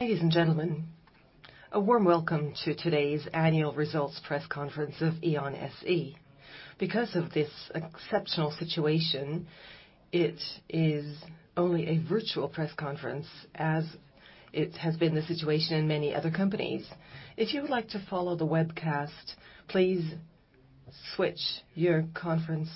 Ladies and gentlemen, a warm welcome to today's Annual Results Press Conference of E.ON SE. Because of this exceptional situation, it is only a virtual press conference, as it has been the situation in many other companies. If you would like to follow the webcast, please switch your conference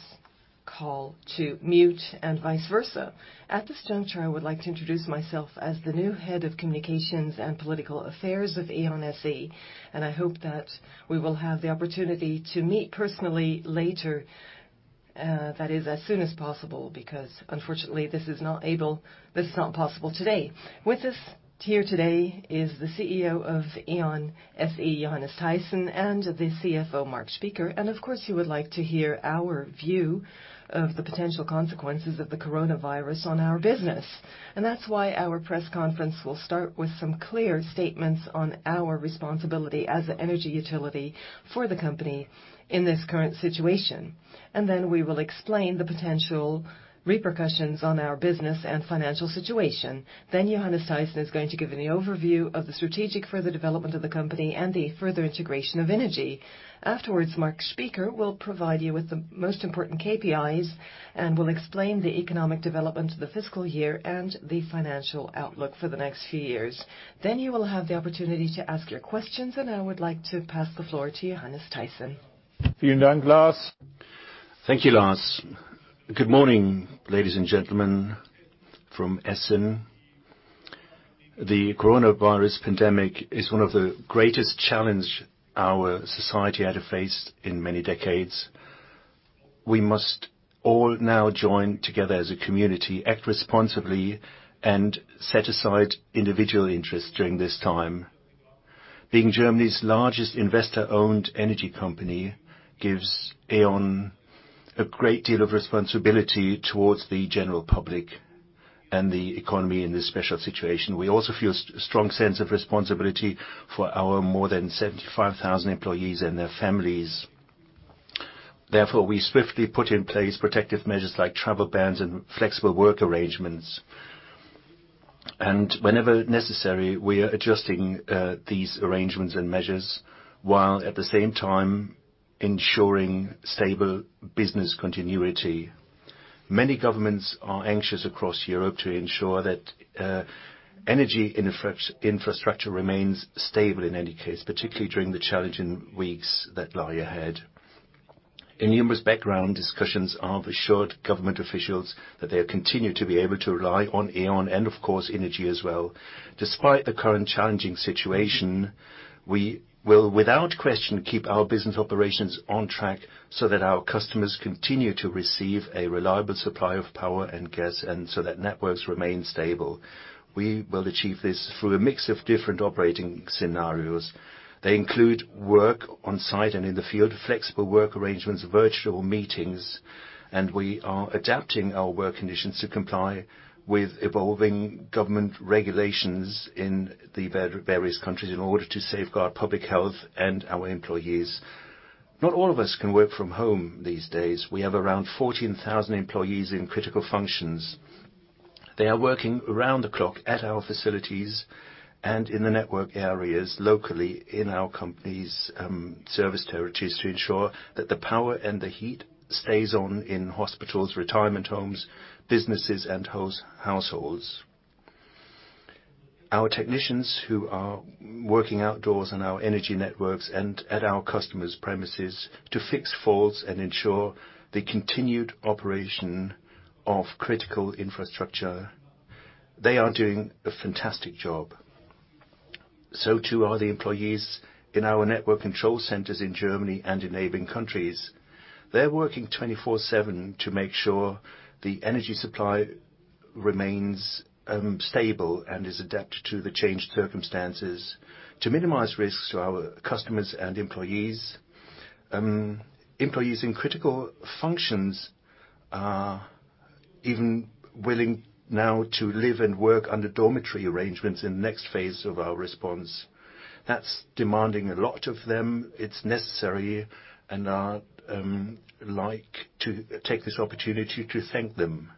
call to mute and vice versa. At this juncture, I would like to introduce myself as the new head of communications and political affairs with E.ON SE, and I hope that we will have the opportunity to meet personally later, that is, as soon as possible, because unfortunately, this is not possible today. With us here today is the CEO of E.ON SE, Johannes Teyssen, and the CFO, Marc Spieker. Of course, you would like to hear our view of the potential consequences of the coronavirus on our business. That's why our press conference will start with some clear statements on our responsibility as an energy utility for the company in this current situation. Then we will explain the potential repercussions on our business and financial situation. Johannes Teyssen is going to give an overview of the strategic further development of the company and the further integration of Innogy. Afterwards, Marc Spieker will provide you with the most important KPIs and will explain the economic development of the fiscal year and the financial outlook for the next few years. You will have the opportunity to ask your questions, and I would like to pass the floor to Johannes Teyssen. Thank you, Lars. Good morning, ladies and gentlemen, from Essen. The coronavirus pandemic is one of the greatest challenge our society had to face in many decades. We must all now join together as a community, act responsibly, and set aside individual interests during this time. Being Germany's largest investor-owned energy company gives E.ON a great deal of responsibility towards the general public and the economy in this special situation. We also feel a strong sense of responsibility for our more than 75,000 employees and their families. Therefore, we swiftly put in place protective measures like travel bans and flexible work arrangements. Whenever necessary, we are adjusting these arrangements and measures, while at the same time ensuring stable business continuity. Many governments are anxious across Europe to ensure that energy infrastructure remains stable in any case, particularly during the challenging weeks that lie ahead. In numerous background discussions, I have assured government officials that they'll continue to be able to rely on E.ON and, of course, Innogy as well. Despite the current challenging situation, we will, without question, keep our business operations on track so that our customers continue to receive a reliable supply of power and gas, and so that networks remain stable. We will achieve this through a mix of different operating scenarios. They include work on-site and in the field, flexible work arrangements, virtual meetings, and we are adapting our work conditions to comply with evolving government regulations in the various countries in order to safeguard public health and our employees. Not all of us can work from home these days. We have around 14,000 employees in critical functions. They are working around the clock at our facilities and in the network areas locally in our company's service territories to ensure that the power and the heat stays on in hospitals, retirement homes, businesses, and households. Our technicians who are working outdoors on our Energy Networks and at our customers' premises to fix faults and ensure the continued operation of critical infrastructure, they are doing a fantastic job. Too are the employees in our network control centers in Germany and in neighboring countries. They're working 24/7 to make sure the energy supply remains stable and is adapted to the changed circumstances to minimize risks to our customers and employees. Employees in critical functions are even willing now to live and work under dormitory arrangements in the next phase of our response. That's demanding a lot of them. It's necessary, and I'd like to take this opportunity to thank them.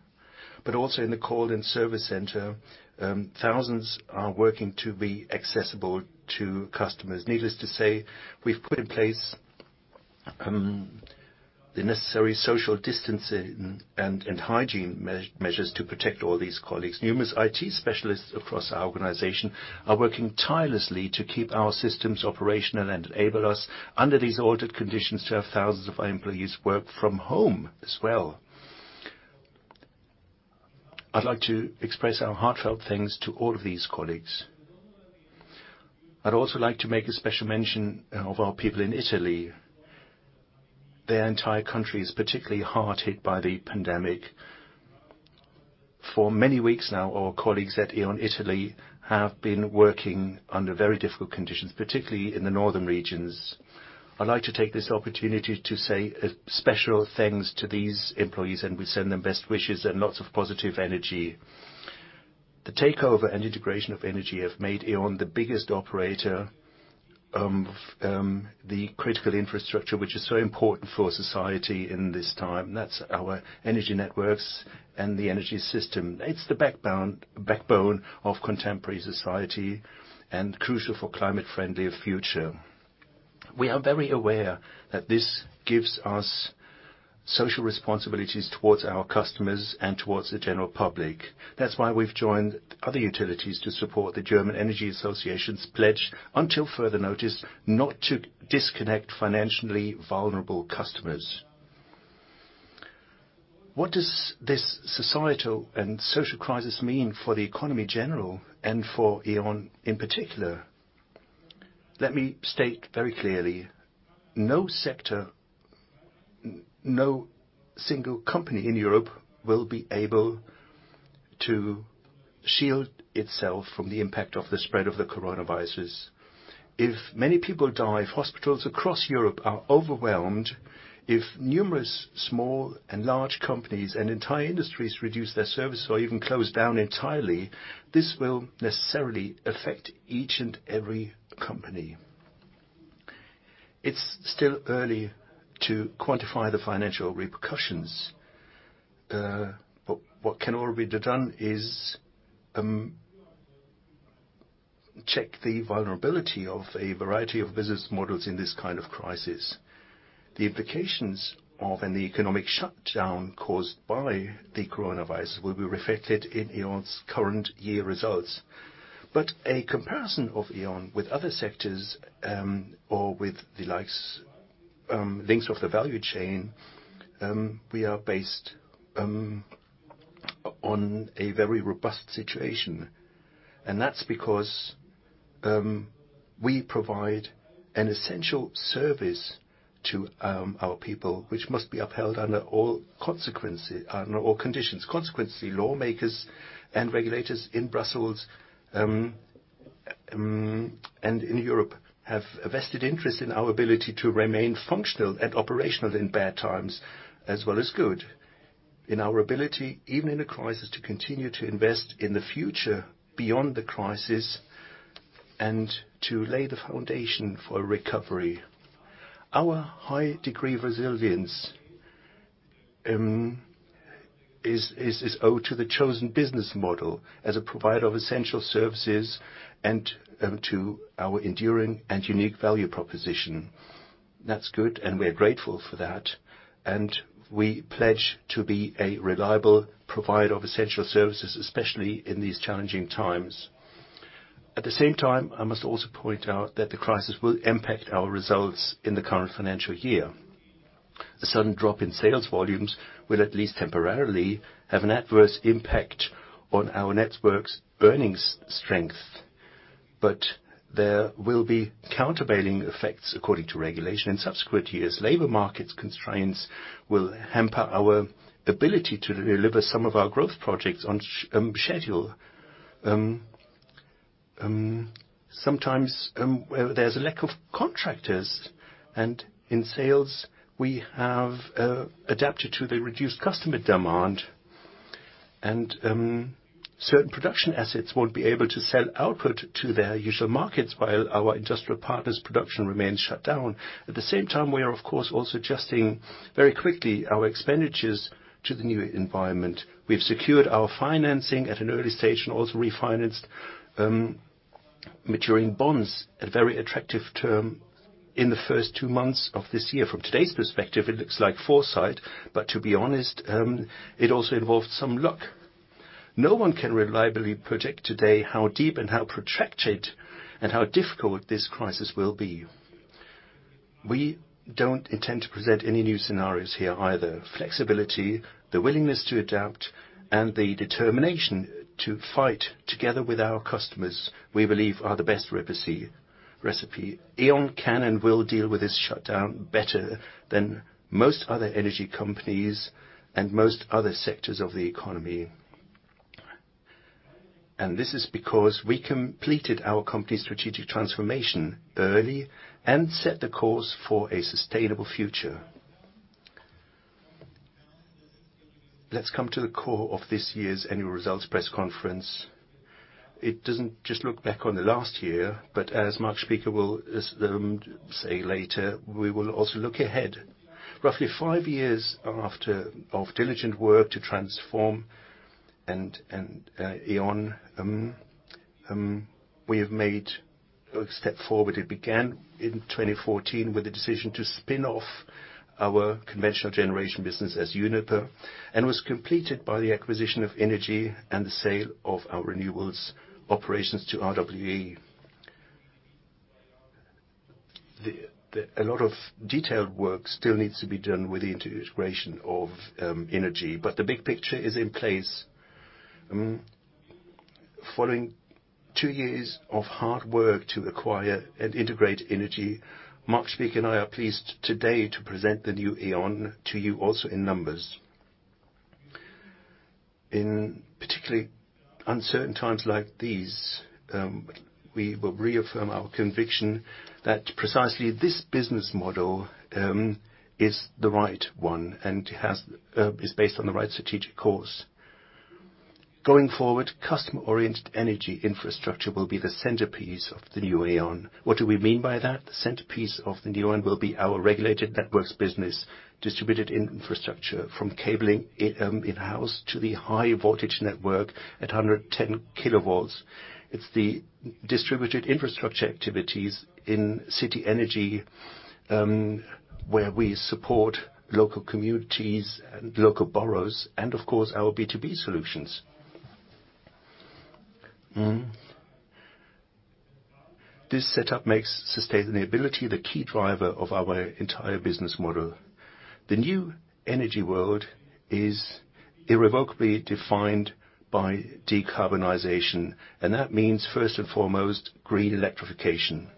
Also in the call and service center, thousands are working to be accessible to customers. Needless to say, we've put in place the necessary social distancing and hygiene measures to protect all these colleagues. Numerous IT specialists across our organization are working tirelessly to keep our systems operational and enable us, under these altered conditions, to have thousands of our employees work from home as well. I'd like to express our heartfelt thanks to all of these colleagues. I'd also like to make a special mention of our people in Italy. Their entire country is particularly hard hit by the pandemic. For many weeks now, our colleagues at E.ON Italy have been working under very difficult conditions, particularly in the northern regions. I'd like to take this opportunity to say a special thanks to these employees, and we send them best wishes and lots of positive energy. The takeover and integration of Innogy have made E.ON the biggest operator of the critical infrastructure, which is so important for society in this time. That's our Energy Networks and the energy system. It's the backbone of contemporary society and crucial for climate-friendly future. We are very aware that this gives us social responsibilities towards our customers and towards the general public. That's why we've joined other utilities to support the German Energy Association's pledge, until further notice, not to disconnect financially vulnerable customers. What does this societal and social crisis mean for the economy general and for E.ON in particular? Let me state very clearly, no sector, no single company in Europe will be able to shield itself from the impact of the spread of the coronavirus. If many people die, if hospitals across Europe are overwhelmed, if numerous small and large companies and entire industries reduce their service or even close down entirely, this will necessarily affect each and every company. It is still early to quantify the financial repercussions. What can already be done is check the vulnerability of a variety of business models in this kind of crisis. The implications of any economic shutdown caused by the coronavirus will be reflected in E.ON's current year results, a comparison of E.ON with other sectors, or with the links of the value chain, we are based on a very robust situation. That's because we provide an essential service to our people, which must be upheld under all conditions. Consequently, lawmakers and regulators in Brussels, and in Europe have a vested interest in our ability to remain functional and operational in bad times as well as good. In our ability, even in a crisis, to continue to invest in the future beyond the crisis and to lay the foundation for recovery. Our high degree of resilience is owed to the chosen business model as a provider of essential services and to our enduring and unique value proposition. That's good. We are grateful for that. We pledge to be a reliable provider of essential services, especially in these challenging times. At the same time, I must also point out that the crisis will impact our results in the current financial year. A sudden drop in sales volumes will, at least temporarily, have an adverse impact on our network's earnings strength. There will be countervailing effects according to regulation in subsequent years. Labor market constraints will hamper our ability to deliver some of our growth projects on schedule. Sometimes, there's a lack of contractors and in sales, we have adapted to the reduced customer demand and certain production assets won't be able to sell output to their usual markets while our industrial partners' production remains shut down. At the same time, we are, of course, also adjusting very quickly our expenditures to the new environment. We've secured our financing at an early stage and also refinanced maturing bonds at very attractive terms in the first two months of this year. From today's perspective, it looks like foresight, but to be honest, it also involved some luck. No one can reliably predict today how deep and how protracted and how difficult this crisis will be. We don't intend to present any new scenarios here either. Flexibility, the willingness to adapt, and the determination to fight together with our customers we believe are the best recipe. E.ON can and will deal with this shutdown better than most other energy companies and most other sectors of the economy. This is because we completed our company's strategic transformation early and set the course for a sustainable future. Let's come to the core of this year's annual results press conference. It doesn't just look back on the last year, but as Marc Spieker will say later, we will also look ahead. Roughly five years after of diligent work to transform E.ON, we have made a step forward. It began in 2014 with a decision to spin off our conventional generation business as Uniper and was completed by the acquisition of Innogy and the sale of our renewables operations to RWE. A lot of detailed work still needs to be done with the integration of Innogy, but the big picture is in place. Following two years of hard work to acquire and integrate Innogy, Marc Spieker and I are pleased today to present the new E.ON to you also in numbers. In particularly uncertain times like these, we will reaffirm our conviction that precisely this business model is the right one and is based on the right strategic course. Going forward, customer-oriented energy infrastructure will be the centerpiece of the new E.ON. What do we mean by that? The centerpiece of the new E.ON will be our regulated networks business, distributed infrastructure from cabling in-house to the high voltage network at 110 kW. Of course, our B2B solutions. This setup makes sustainability the key driver of our entire business model. The new energy world is irrevocably defined by decarbonization. That means, first and foremost, green electrification.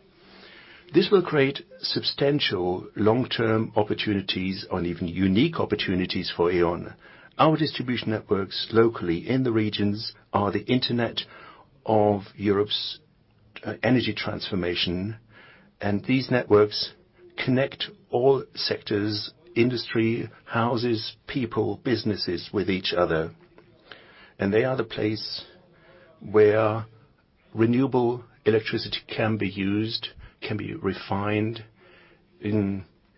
This will create substantial long-term opportunities or even unique opportunities for E.ON. Our distribution networks locally in the regions are the internet of Europe's energy transformation. These networks connect all sectors, industry, houses, people, businesses with each other. They are the place where renewable electricity can be used, can be refined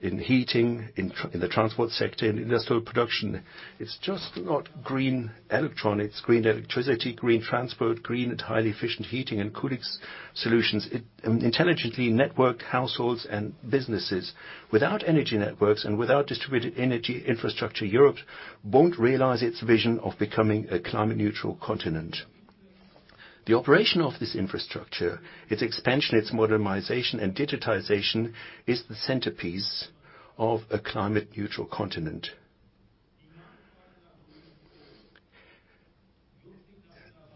in heating, in the transport sector, in industrial production. It's just not green electronics, green electricity, green transport, green and highly efficient heating and cooling solutions, intelligently networked households and businesses. Without energy networks and without distributed energy infrastructure, Europe won't realize its vision of becoming a climate-neutral continent. The operation of this infrastructure, its expansion, its modernization and digitization is the centerpiece of a climate-neutral continent.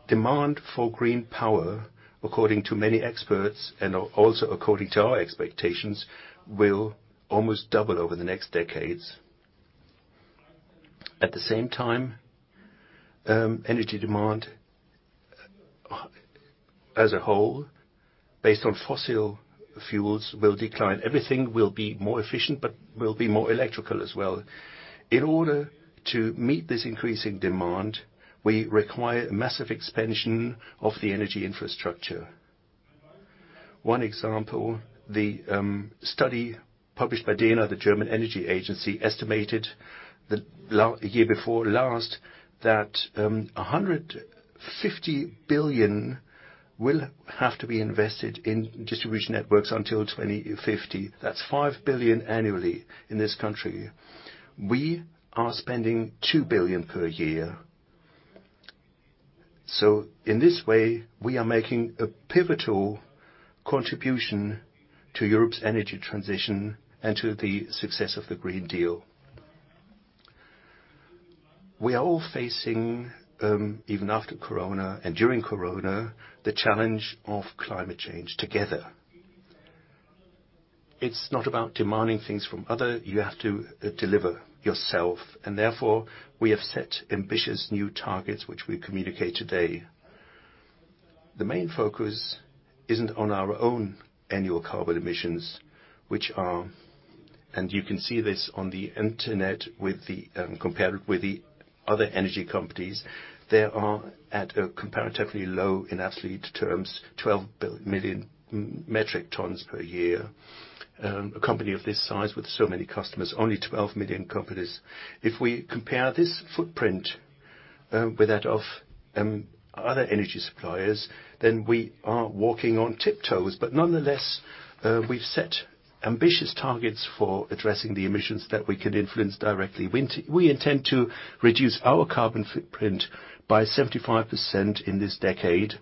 Demand for green power, according to many experts, and also according to our expectations, will almost double over the next decades. Energy demand as a whole, based on fossil fuels, will decline. Everything will be more efficient, will be more electrical as well. In order to meet this increasing demand, we require massive expansion of the energy infrastructure. One example, the study published by dena, the German Energy Agency, estimated the year before last, that 150 billion will have to be invested in distribution networks until 2050. That's 5 billion annually in this country. We are spending 2 billion per year. In this way, we are making a pivotal contribution to Europe's energy transition and to the success of the Green Deal. We are all facing, even after Corona and during Corona, the challenge of climate change together. It's not about demanding things from others. You have to deliver yourself, therefore, we have set ambitious new targets, which we communicate today. The main focus isn't on our own annual carbon emissions, which are, and you can see this on the internet compared with the other energy companies, they are at a comparatively low, in absolute terms, 12 million metric tons per year. A company of this size with so many customers, only 12 million metric tons. If we compare this footprint with that of other energy suppliers, then we are walking on tiptoes. Nonetheless, we've set ambitious targets for addressing the emissions that we can influence directly. We intend to reduce our carbon footprint by 75% in this decade,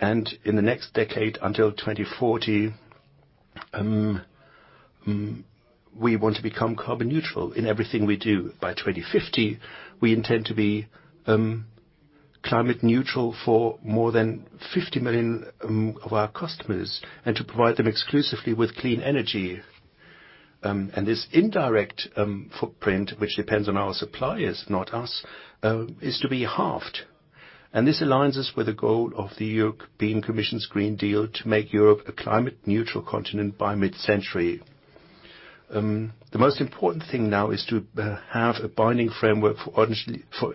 and in the next decade until 2040, we want to become carbon neutral in everything we do. By 2050, we intend to be climate neutral for more than 50 million of our customers and to provide them exclusively with clean energy. This indirect footprint, which depends on our suppliers, not us, is to be halved. This aligns us with the goal of the European Commission's Green Deal to make Europe a climate-neutral continent by mid-century. The most important thing now is to have a binding framework for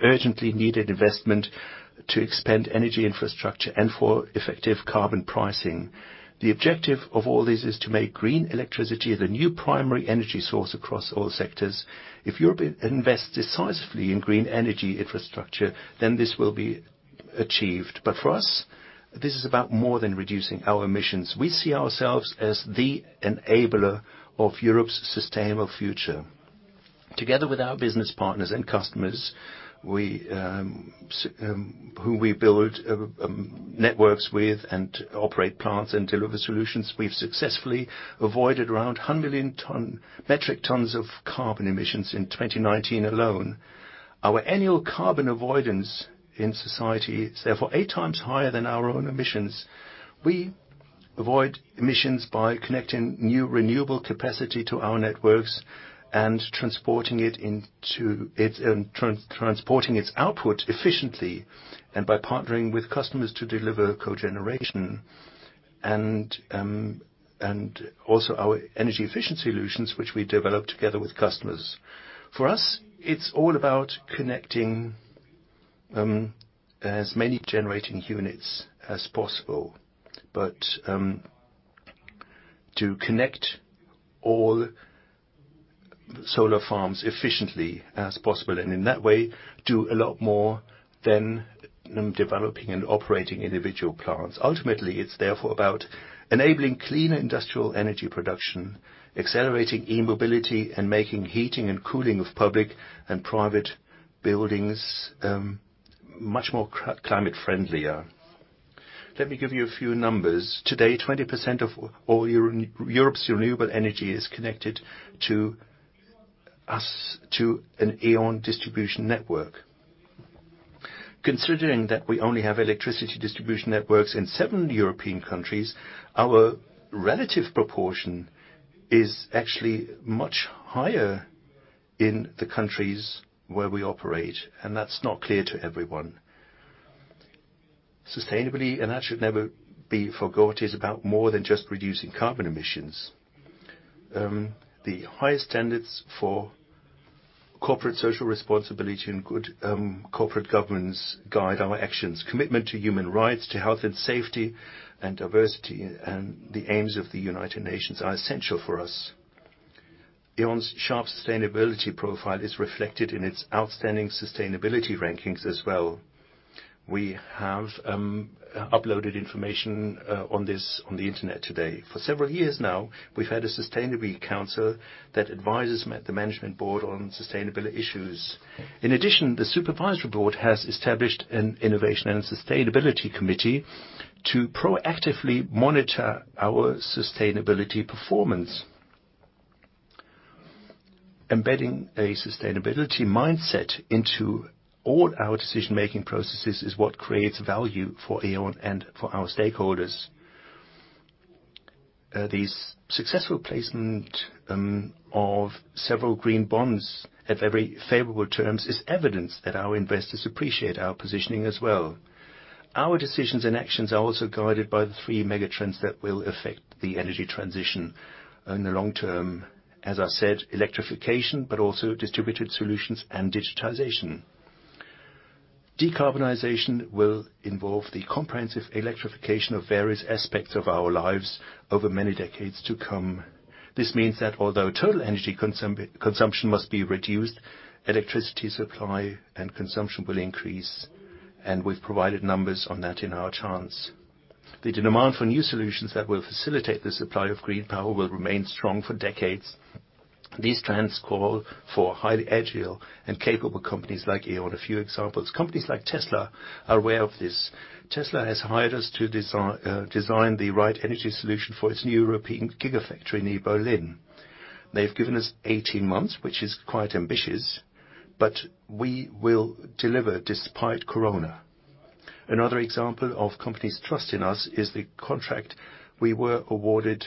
urgently needed investment to expand energy infrastructure and for effective carbon pricing. The objective of all this is to make green electricity the new primary energy source across all sectors. If Europe invests decisively in green energy infrastructure, this will be achieved. For us, this is about more than reducing our emissions. We see ourselves as the enabler of Europe's sustainable future. Together with our business partners and customers, who we build networks with and operate plants and deliver solutions, we've successfully avoided around 100 million metric tons of carbon emissions in 2019 alone. Our annual carbon avoidance in society is therefore eight times higher than our own emissions. We avoid emissions by connecting new renewable capacity to our networks and transporting its output efficiently, by partnering with customers to deliver cogeneration. Also our energy efficiency solutions, which we develop together with customers. For us, it's all about connecting as many generating units as possible. To connect all solar farms efficiently as possible, and in that way, do a lot more than developing and operating individual plants. Ultimately, it's therefore about enabling clean industrial energy production, accelerating e-mobility, and making heating and cooling of public and private buildings much more climate friendlier. Let me give you a few numbers. Today, 20% of all Europe's renewable energy is connected to us, to an E.ON distribution network. Considering that we only have electricity distribution networks in seven European countries, our relative proportion is actually much higher in the countries where we operate, and that's not clear to everyone. Sustainability, and that should never be forgot, is about more than just reducing carbon emissions. The highest standards for corporate social responsibility and good corporate governance guide our actions. Commitment to human rights, to health and safety, and diversity, and the aims of the United Nations are essential for us. E.ON's sharp sustainability profile is reflected in its outstanding sustainability rankings as well. We have uploaded information on this on the internet today. For several years now, we've had a sustainability council that advises the management board on sustainability issues. In addition, the supervisory board has established an innovation and sustainability committee to proactively monitor our sustainability performance. Embedding a sustainability mindset into all our decision-making processes is what creates value for E.ON and for our stakeholders. The successful placement of several green bonds at very favorable terms is evidence that our investors appreciate our positioning as well. Our decisions and actions are also guided by the three mega trends that will affect the energy transition in the long term. As I said, electrification, but also distributed solutions and digitization. Decarbonization will involve the comprehensive electrification of various aspects of our lives over many decades to come. This means that although total energy consumption must be reduced, electricity supply and consumption will increase, and we've provided numbers on that in our charts. The demand for new solutions that will facilitate the supply of green power will remain strong for decades. These trends call for highly agile and capable companies like E.ON. A few examples. Companies like Tesla are aware of this. Tesla has hired us to design the right energy solution for its new European Gigafactory near Berlin. They've given us 18 months, which is quite ambitious, but we will deliver despite COVID. Another example of companies trusting us is the contract we were awarded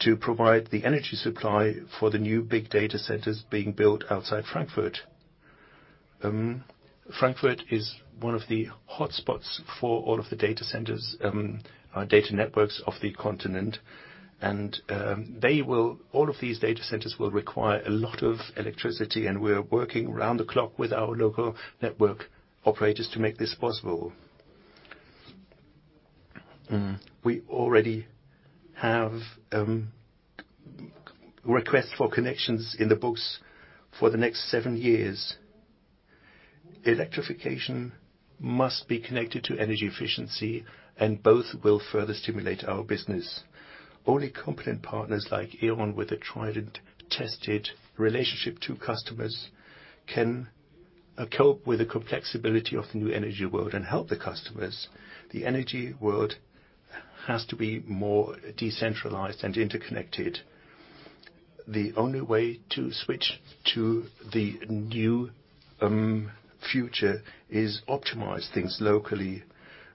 to provide the energy supply for the new big data centers being built outside Frankfurt. Frankfurt is one of the hotspots for all of the data centers, data networks of the continent. All of these data centers will require a lot of electricity, and we're working around the clock with our local network operators to make this possible. We already have requests for connections in the books for the next seven years. Electrification must be connected to energy efficiency, and both will further stimulate our business. Only competent partners like E.ON, with a tried and tested relationship to customers, can cope with the complexity of the new energy world and help the customers. The energy world has to be more decentralized and interconnected. The only way to switch to the new future is optimize things locally.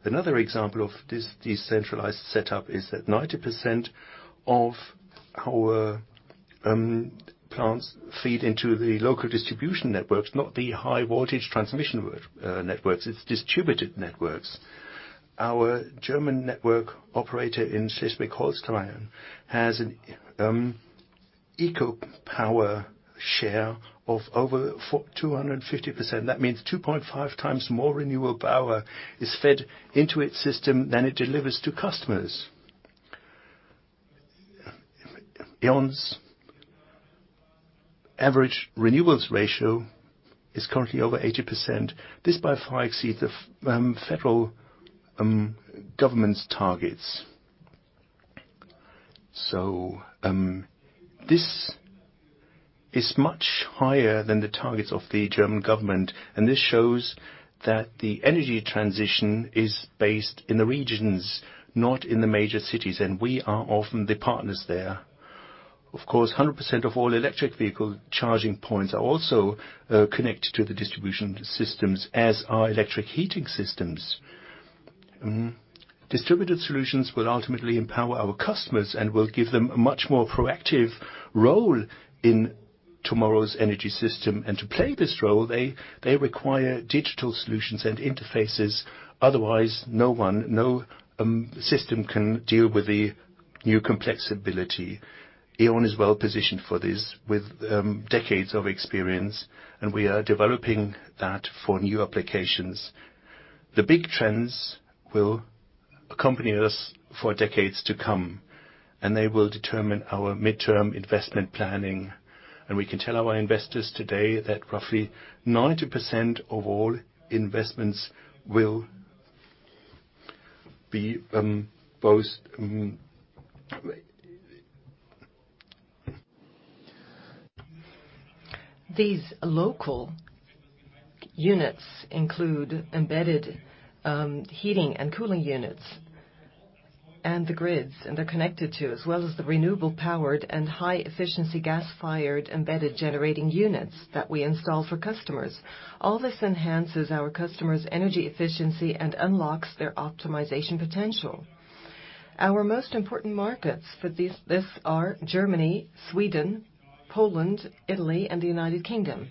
Another example of this decentralized setup is that 90% of our plants feed into the local distribution networks, not the high voltage transmission networks. It's distributed networks. Our German network operator in Schleswig-Holstein has an eco power share of over 250%. That means 2.5x more renewable power is fed into its system than it delivers to customers. E.ON's average renewables ratio is currently over 80%. This by far exceeds the federal government's targets. This is much higher than the targets of the German government, and this shows that the energy transition is based in the regions, not in the major cities, and we are often the partners there. Of course, 100% of all electric vehicle charging points are also connected to the distribution systems, as are electric heating systems. Distributed solutions will ultimately empower our customers and will give them a much more proactive role in tomorrow's energy system. To play this role, they require digital solutions and interfaces. Otherwise, no system can deal with the new complex ability. E.ON is well-positioned for this with decades of experience. We are developing that for new applications. The big trends will accompany us for decades to come. They will determine our midterm investment planning. We can tell our investors today that roughly 90% of all investments will be both- These local units include embedded heating and cooling units and the grids, and they're connected to, as well as the renewable powered and high-efficiency gas-fired embedded generating units that we install for customers. All this enhances our customers' energy efficiency and unlocks their optimization potential. Our most important markets for this are Germany, Sweden, Poland, Italy, and the United Kingdom.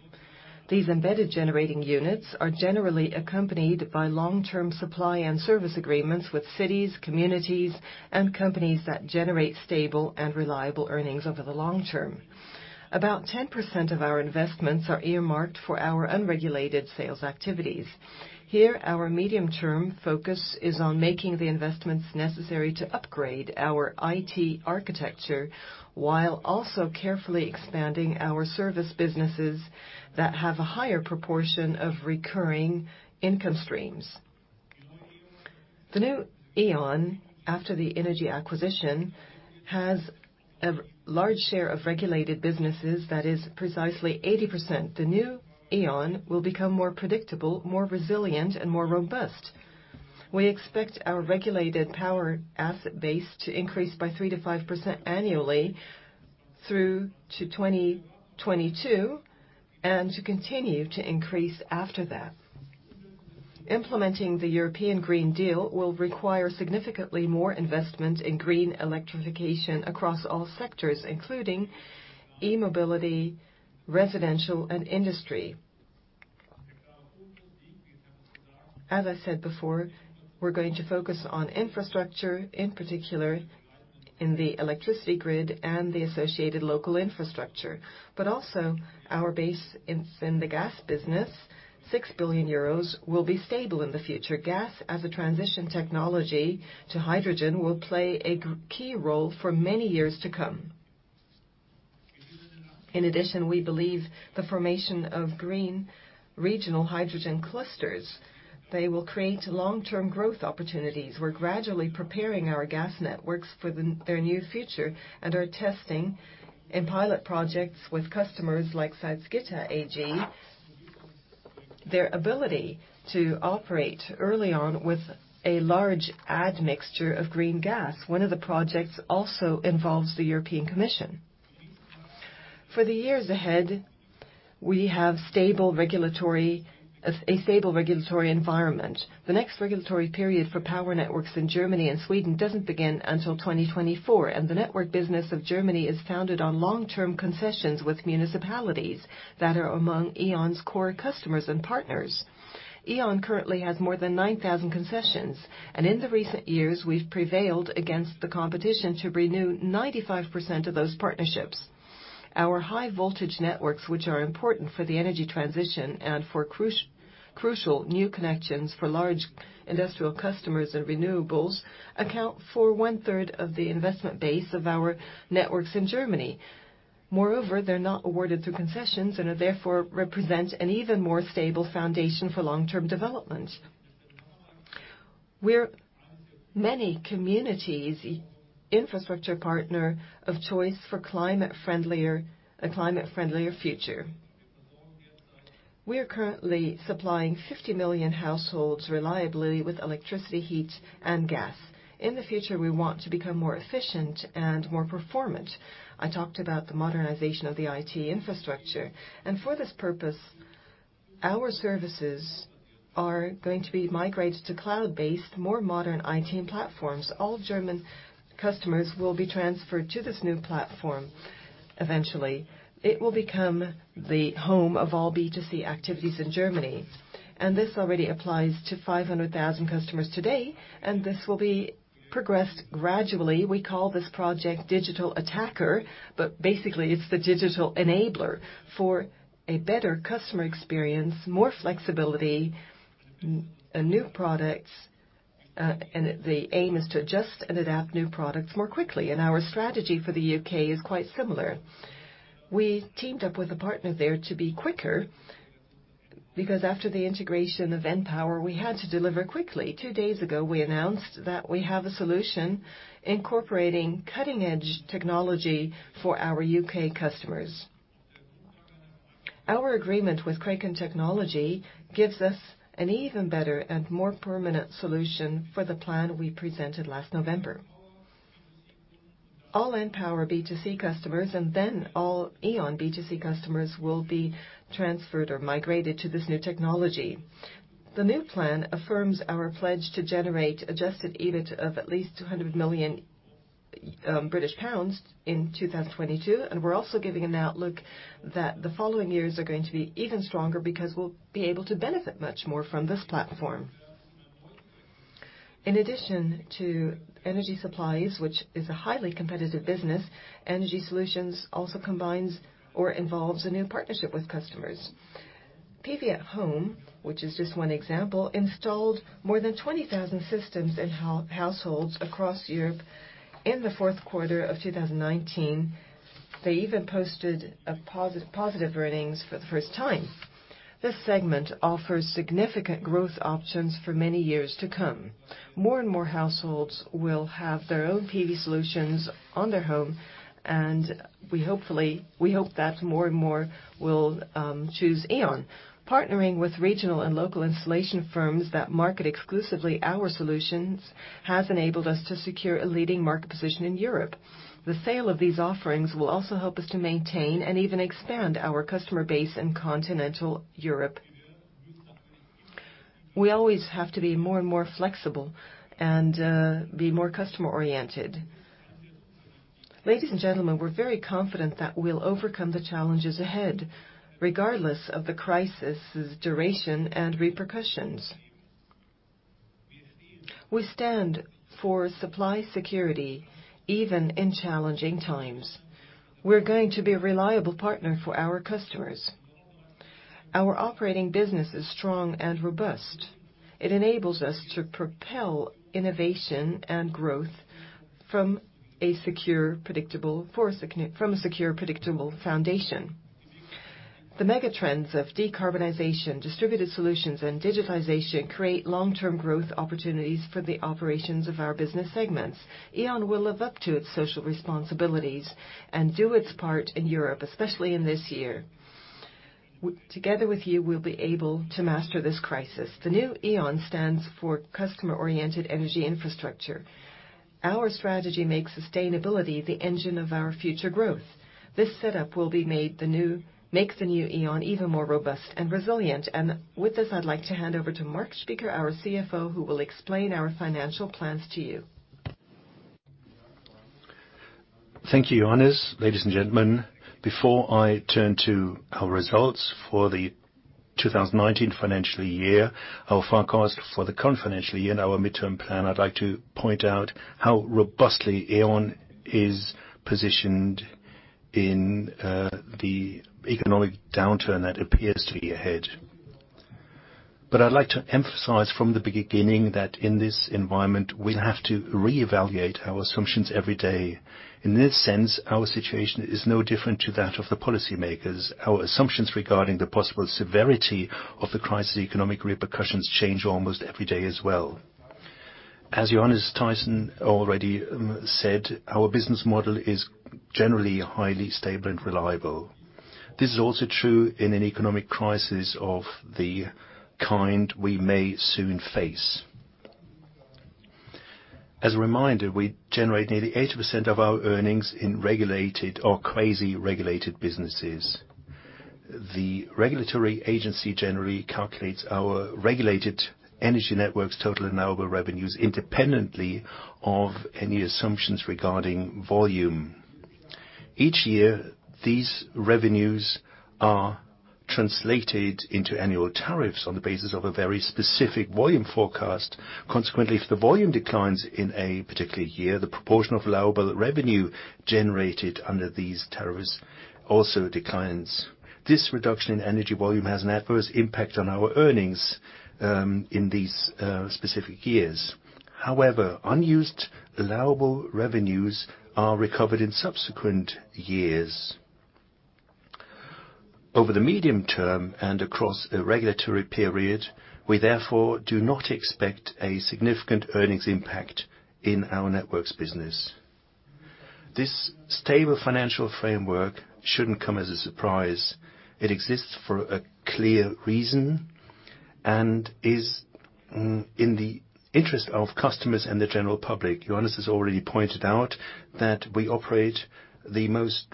These embedded generating units are generally accompanied by long-term supply and service agreements with cities, communities, and companies that generate stable and reliable earnings over the long term. About 10% of our investments are earmarked for our unregulated sales activities. Here, our medium-term focus is on making the investments necessary to upgrade our IT architecture, while also carefully expanding our service businesses that have a higher proportion of recurring income streams. The new E.ON, after the Innogy acquisition, has a large share of regulated businesses that is precisely 80%. The new E.ON will become more predictable, more resilient, and more robust. We expect our regulated power asset base to increase by 3%-5% annually through to 2022, and to continue to increase after that. Implementing the European Green Deal will require significantly more investment in green electrification across all sectors, including e-mobility, residential, and industry. As I said before, we're going to focus on infrastructure, in particular in the electricity grid and the associated local infrastructure. Also, our base in the gas business, 6 billion euros, will be stable in the future. Gas, as a transition technology to hydrogen, will play a key role for many years to come. In addition, we believe the formation of green regional hydrogen clusters, they will create long-term growth opportunities. We're gradually preparing our gas networks for their new future and are testing in pilot projects with customers like Salzgitter AG, their ability to operate early on with a large admixture of green gas. One of the projects also involves the European Commission. For the years ahead, we have a stable regulatory environment. The next regulatory period for power networks in Germany and Sweden doesn't begin until 2024, and the network business of Germany is founded on long-term concessions with municipalities that are among E.ON's core customers and partners. E.ON currently has more than 9,000 concessions, and in the recent years, we've prevailed against the competition to renew 95% of those partnerships. Our high voltage networks, which are important for the energy transition and for crucial new connections for large industrial customers and renewables, account for 1/3 of the investment base of our networks in Germany. Moreover, they're not awarded through concessions and are therefore represent an even more stable foundation for long-term development. We're many communities' infrastructure partner of choice for a climate friendlier future. We are currently supplying 50 million households reliably with electricity, heat, and gas. In the future, we want to become more efficient and more performant. I talk about the modernization of the IT infrastructure. For this purpose, our services are going to be migrated to cloud-based, more modern IT platforms. All German customers will be transferred to this new platform eventually. It will become the home of all B2C activities in Germany. This already applies to 500,000 customers today, and this will be progressed gradually. We call this project Digital Attacker, but basically, it's the digital enabler for a better customer experience, more flexibility, and new products. The aim is to adjust and adapt new products more quickly. Our strategy for the U.K. is quite similar. We teamed up with a partner there to be quicker, because after the integration of NPower, we had to deliver quickly. Two days ago, we announced that we have a solution incorporating cutting-edge technology for our U.K. customers. Our agreement with Kraken Technologies gives us an even better and more permanent solution for the plan we presented last November. All NPower B2C customers and then all E.ON B2C customers will be transferred or migrated to this new technology. The new plan affirms our pledge to generate adjusted EBIT of at least 200 million British pounds in 2022, and we're also giving an outlook that the following years are going to be even stronger, because we'll be able to benefit much more from this platform. In addition to energy supplies, which is a highly competitive business, energy solutions also combines or involves a new partnership with customers. PV at Home, which is just one example, installed more than 20,000 systems in households across Europe in the fourth quarter of 2019. They even posted positive earnings for the first time. This segment offers significant growth options for many years to come. More and more households will have their own PV solutions on their home, and we hope that more and more will choose E.ON. Partnering with regional and local installation firms that market exclusively our solutions has enabled us to secure a leading market position in Europe. The sale of these offerings will also help us to maintain and even expand our customer base in continental Europe. We always have to be more and more flexible and be more customer-oriented. Ladies and gentlemen, we're very confident that we'll overcome the challenges ahead, regardless of the crisis' duration and repercussions. We stand for supply security, even in challenging times. We're going to be a reliable partner for our customers. Our operating business is strong and robust. It enables us to propel innovation and growth from a secure, predictable foundation. The mega trends of decarbonization, distributed solutions, and digitization create long-term growth opportunities for the operations of our business segments. E.ON will live up to its social responsibilities and do its part in Europe, especially in this year. Together with you, we'll be able to master this crisis. The new E.ON stands for customer-oriented energy infrastructure. Our strategy makes sustainability the engine of our future growth. This setup will make the new E.ON even more robust and resilient. With this, I'd like to hand over to Marc Spieker, our CFO, who will explain our financial plans to you. Thank you, Johannes. Ladies and gentlemen, before I turn to our results for the 2019 financial year, our forecast for the current financial year, and our midterm plan, I'd like to point out how robustly E.ON is positioned in the economic downturn that appears to be ahead. I'd like to emphasize from the beginning that in this environment, we have to reevaluate our assumptions every day. In this sense, our situation is no different to that of the policymakers. Our assumptions regarding the possible severity of the crisis' economic repercussions change almost every day as well. As Johannes Teyssen already said, our business model is generally highly stable and reliable. This is also true in an economic crisis of the kind we may soon face. As a reminder, we generate nearly 80% of our earnings in regulated or quasi-regulated businesses. The regulatory agency generally calculates our regulated Energy Networks' total allowable revenues independently of any assumptions regarding volume. Each year, these revenues are translated into annual tariffs on the basis of a very specific volume forecast. If the volume declines in a particular year, the proportion of allowable revenue generated under these tariffs also declines. This reduction in energy volume has an adverse impact on our earnings in these specific years. Unused allowable revenues are recovered in subsequent years. Over the medium term and across a regulatory period, we therefore do not expect a significant earnings impact in our Networks business. This stable financial framework shouldn't come as a surprise. It exists for a clear reason and is in the interest of customers and the general public. Johannes has already pointed out that we operate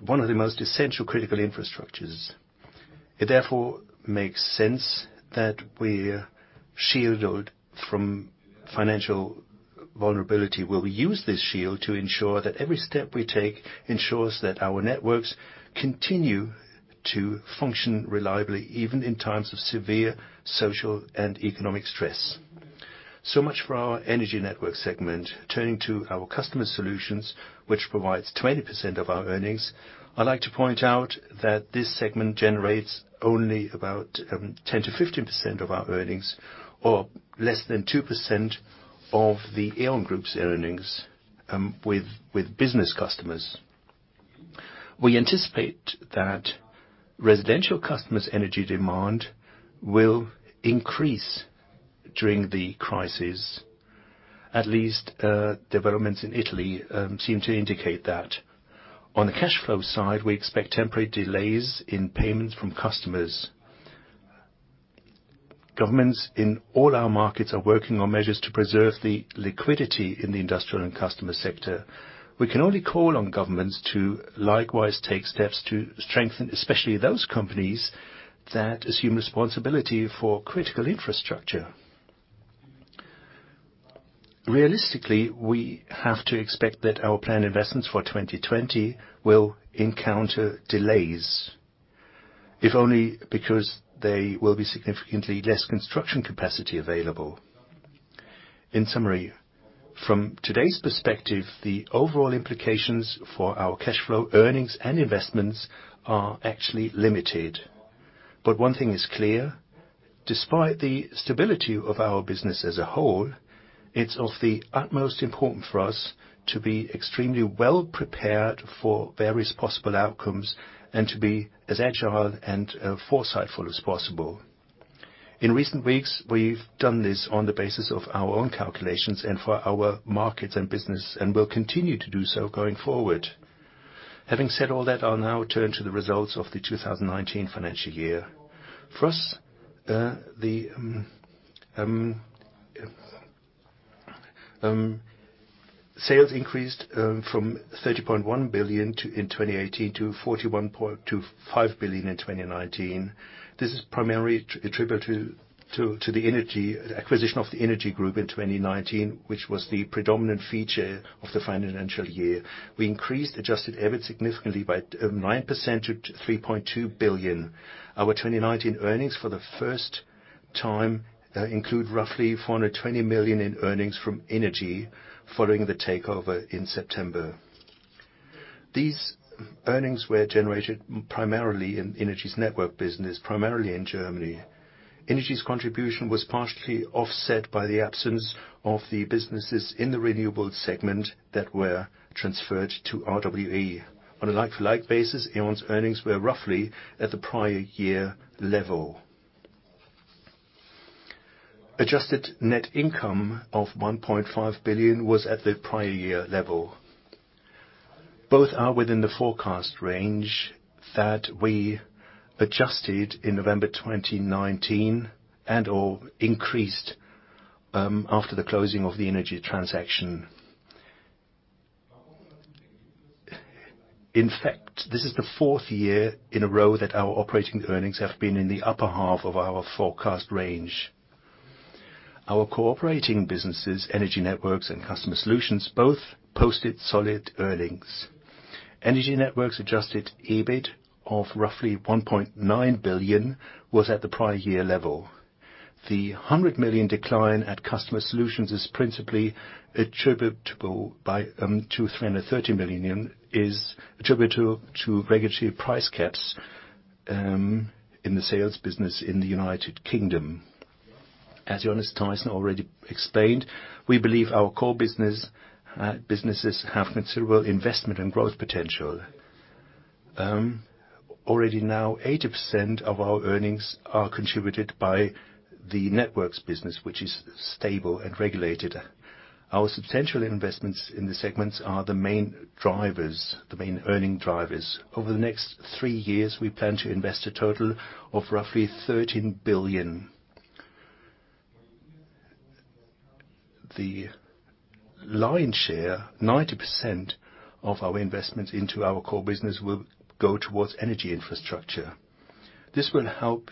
one of the most essential critical infrastructures. It therefore makes sense that we're shielded from financial vulnerability. We'll use this shield to ensure that every step we take ensures that our networks continue to function reliably, even in times of severe social and economic stress. So much for our Energy Networks segment. Turning to our Customer Solutions, which provides 20% of our earnings, I'd like to point out that this segment generates only about 10%-15% of our earnings, or less than 2% of the E.ON Group's earnings with business customers. We anticipate that residential customers' energy demand will increase during the crisis. At least, developments in Italy seem to indicate that. On the cash flow side, we expect temporary delays in payments from customers. Governments in all our markets are working on measures to preserve the liquidity in the industrial and customer sector. We can only call on governments to likewise take steps to strengthen, especially those companies that assume responsibility for critical infrastructure. Realistically, we have to expect that our planned investments for 2020 will encounter delays, if only because there will be significantly less construction capacity available. In summary, from today's perspective, the overall implications for our cash flow earnings and investments are actually limited. One thing is clear, despite the stability of our business as a whole, it's of the utmost importance for us to be extremely well-prepared for various possible outcomes and to be as agile and foresighted as possible. In recent weeks, we've done this on the basis of our own calculations and for our markets and business and will continue to do so going forward. Having said all that, I'll now turn to the results of the 2019 financial year. First, the sales increased from 30.1 billion in 2018 to 41.25 billion in 2019. This is primarily attributable to the acquisition of the Innogy group in 2019, which was the predominant feature of the financial year. We increased Adjusted EBIT significantly by 9% to 3.2 billion. Our 2019 earnings for the first time include roughly 420 million in earnings from Innogy following the takeover in September. These earnings were generated primarily in Innogy's Energy Networks business, primarily in Germany. Innogy's contribution was partially offset by the absence of the businesses in the renewables segment that were transferred to RWE. On a like-to-like basis, Innogy's earnings were roughly at the prior year level. Adjusted net income of 1.5 billion was at the prior year level. Both are within the forecast range that we adjusted in November 2019 and/or increased after the closing of the Innogy transaction. In fact, this is the fourth year in a row that our operating earnings have been in the upper half of our forecast range. Our cooperating businesses, Energy Networks, and Customer Solutions both posted solid earnings. Energy Networks Adjusted EBIT of roughly 1.9 billion was at the prior year level. The 100 million decline at Customer Solutions is principally attributable to 330 million is attributable to regulatory price caps in the sales business in the U.K. As Johannes Teyssen already explained, we believe our core businesses have considerable investment and growth potential. Already now, 80% of our earnings are contributed by the networks business, which is stable and regulated. Our substantial investments in the segments are the main earning drivers. Over the next three years, we plan to invest a total of roughly 13 billion. The lion's share, 90% of our investments into our core business will go towards energy infrastructure. This will help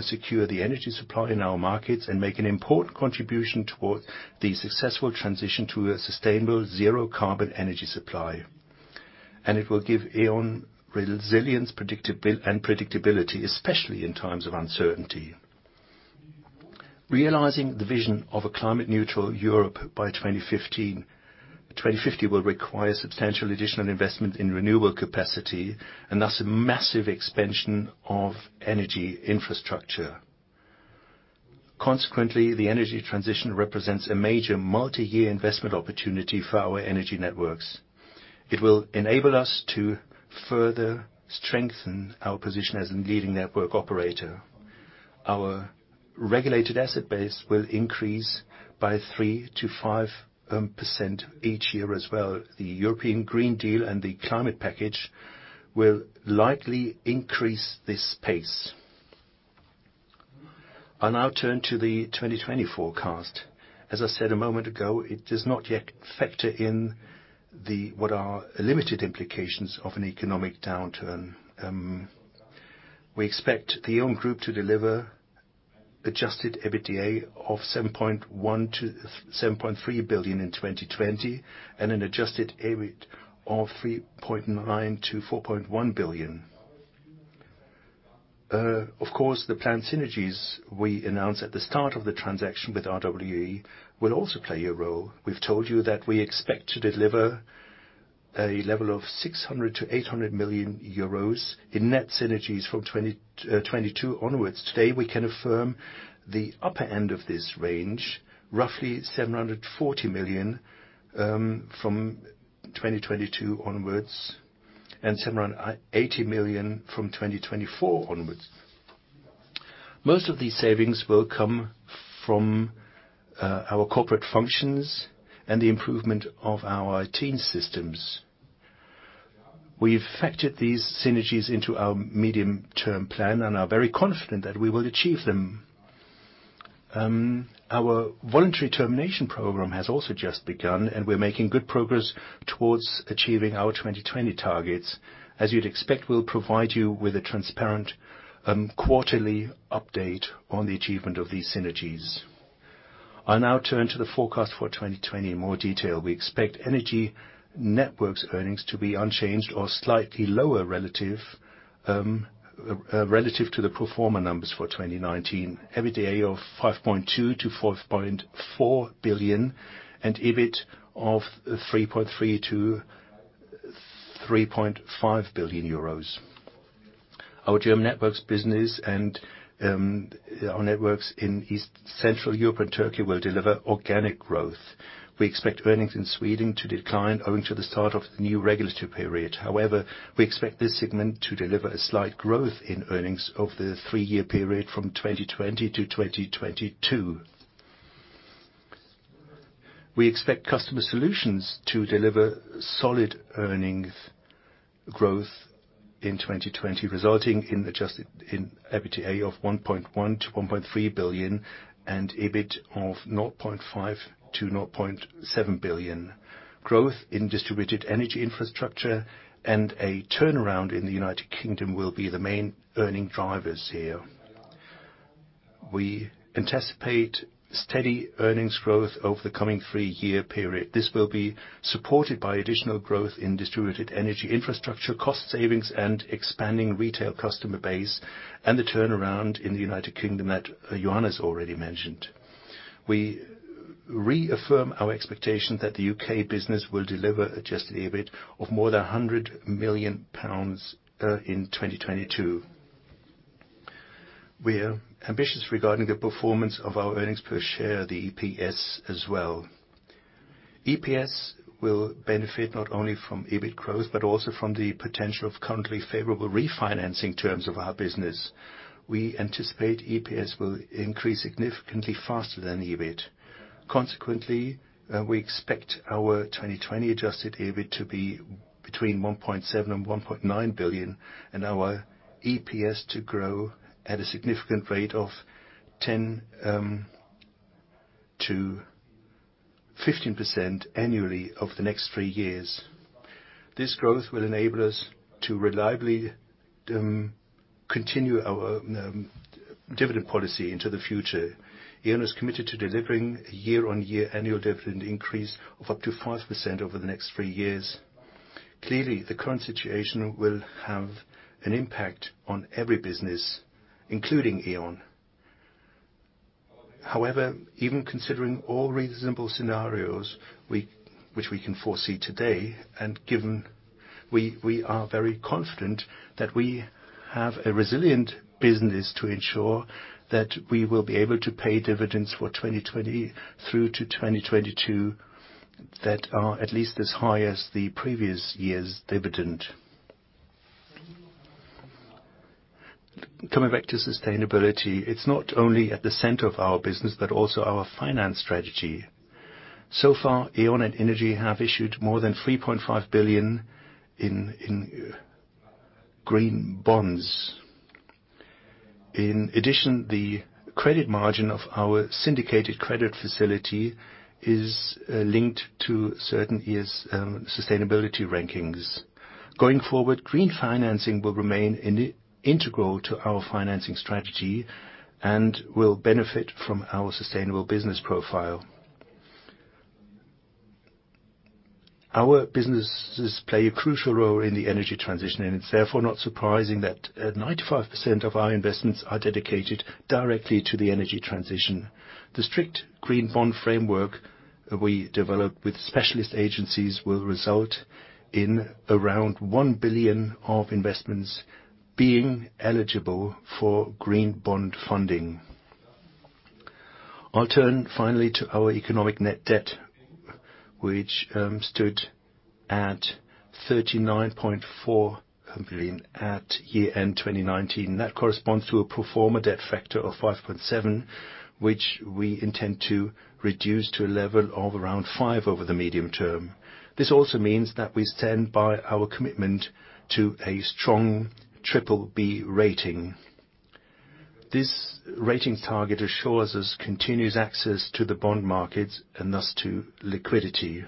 secure the energy supply in our markets and make an important contribution towards the successful transition to a sustainable zero carbon energy supply. It will give E.ON resilience and predictability, especially in times of uncertainty. Realizing the vision of a climate neutral Europe by 2050 will require substantial additional investment in renewable capacity, thus a massive expansion of energy infrastructure. Consequently, the energy transition represents a major multi-year investment opportunity for our Energy Networks. It will enable us to further strengthen our position as a leading network operator. Our regulated asset base will increase by 3%-5% each year as well. The European Green Deal and the climate package will likely increase this pace. I'll now turn to the 2020 forecast. As I said a moment ago, it does not yet factor in what are limited implications of an economic downturn. We expect the E.ON Group to deliver Adjusted EBITDA of 7.1 billion-7.3 billion in 2020 and an Adjusted EBIT of 3.9 billion-4.1 billion. Of course, the planned synergies we announced at the start of the transaction with RWE will also play a role. We've told you that we expect to deliver a level of 600 million-800 million euros in net synergies from 2022 onwards. Today, we can affirm the upper end of this range, roughly 740 million, from 2022 onwards and 780 million from 2024 onwards. Most of these savings will come from our corporate functions and the improvement of our IT systems. We've factored these synergies into our medium-term plan and are very confident that we will achieve them. Our voluntary termination program has also just begun, and we're making good progress towards achieving our 2020 targets. As you'd expect, we'll provide you with a transparent quarterly update on the achievement of these synergies. I'll now turn to the forecast for 2020 in more detail. We expect Energy Networks earnings to be unchanged or slightly lower relative to the pro forma numbers for 2019. EBITDA of 5.2 billion-5.4 billion and EBIT of 3.3 billion-3.5 billion euros. Our German Networks business and our networks in East, Central Europe and Turkey will deliver organic growth. We expect earnings in Sweden to decline owing to the start of the new regulatory period. We expect this segment to deliver a slight growth in earnings over the three-year period from 2020 to 2022. We expect Customer Solutions to deliver solid earnings growth in 2020, resulting in Adjusted EBITDA of 1.1 billion-1.3 billion and Adjusted EBIT of 0.5 billion-0.7 billion. Growth in distributed energy infrastructure and a turnaround in the U.K. will be the main earnings drivers here. We anticipate steady earnings growth over the coming three-year period. This will be supported by additional growth in distributed energy infrastructure, cost savings and expanding retail customer base, and the turnaround in the U.K. that Johannes already mentioned. We reaffirm our expectation that the U.K. business will deliver Adjusted EBIT of more than 100 million pounds in 2022. We are ambitious regarding the performance of our earnings per share, the EPS, as well. EPS will benefit not only from EBIT growth, but also from the potential of currently favorable refinancing terms of our business. We anticipate EPS will increase significantly faster than EBIT. Consequently, we expect our 2020 Adjusted EBIT to be between 1.7 billion and 1.9 billion, and our EPS to grow at a significant rate of 10%-15% annually over the next three years. This growth will enable us to reliably continue our dividend policy into the future. E.ON is committed to delivering a year-on-year annual dividend increase of up to 5% over the next three years. Clearly, the current situation will have an impact on every business, including E.ON. However, even considering all reasonable scenarios which we can foresee today, and given we are very confident that we have a resilient business to ensure that we will be able to pay dividends for 2020 through to 2022 that are at least as high as the previous year's dividend. Coming back to sustainability, it's not only at the center of our business, but also our finance strategy. So far, E.ON and Innogy have issued more than 3.5 billion in green bonds. In addition, the credit margin of our syndicated credit facility is linked to certain years' sustainability rankings. Going forward, green financing will remain integral to our financing strategy and will benefit from our sustainable business profile. Our businesses play a crucial role in the energy transition, it's therefore not surprising that 95% of our investments are dedicated directly to the energy transition. The strict green bond framework we developed with specialist agencies will result in around 1 billion of investments being eligible for green bond funding. I'll turn finally to our economic net debt, which stood at 39.4 billion at year-end 2019. That corresponds to a pro forma debt factor of 5.7, which we intend to reduce to a level of around five over the medium term. This also means that we stand by our commitment to a strong BBB rating. This ratings target assures us continuous access to the bond markets and thus to liquidity.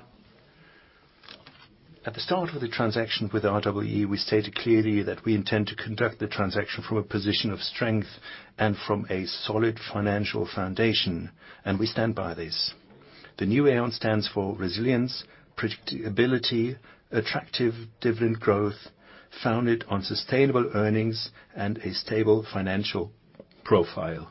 At the start of the transaction with RWE, we stated clearly that we intend to conduct the transaction from a position of strength and from a solid financial foundation. We stand by this. The new E.ON stands for resilience, predictability, attractive dividend growth founded on sustainable earnings and a stable financial profile.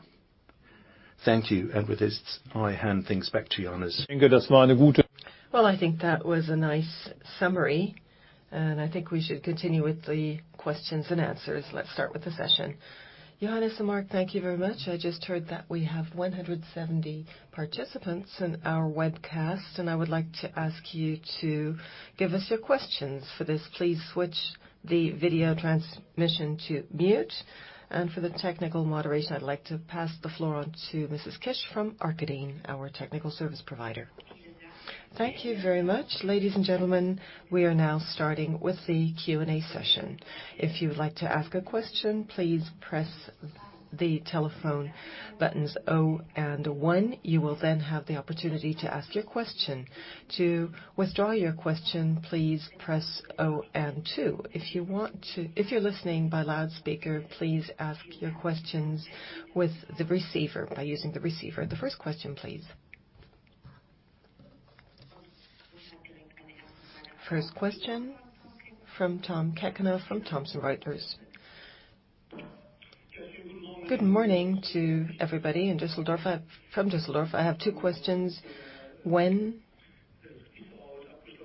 Thank you. With this, I hand things back to Johannes. Well, I think that was a nice summary. I think we should continue with the questions and answers. Let's start with the session. Johannes and Marc, thank you very much. I just heard that we have 170 participants in our webcast. I would like to ask you to give us your questions. For this, please switch the video transmission to mute. For the technical moderation, I'd like to pass the floor on to Mrs. Kish from Arkadin, our technical service provider. Thank you very much. Ladies and gentlemen, we are now starting with the Q&A session. If you would like to ask a question, please press the telephone buttons zero and one. You will then have the opportunity to ask your question. To withdraw your question, please press zero and two. If you're listening by loudspeaker, please ask your questions with the receiver, by using the receiver. The first question, please. First question from Tom Käckenhoff from Thomson Reuters. Good morning to everybody from Düsseldorf. I have two questions. When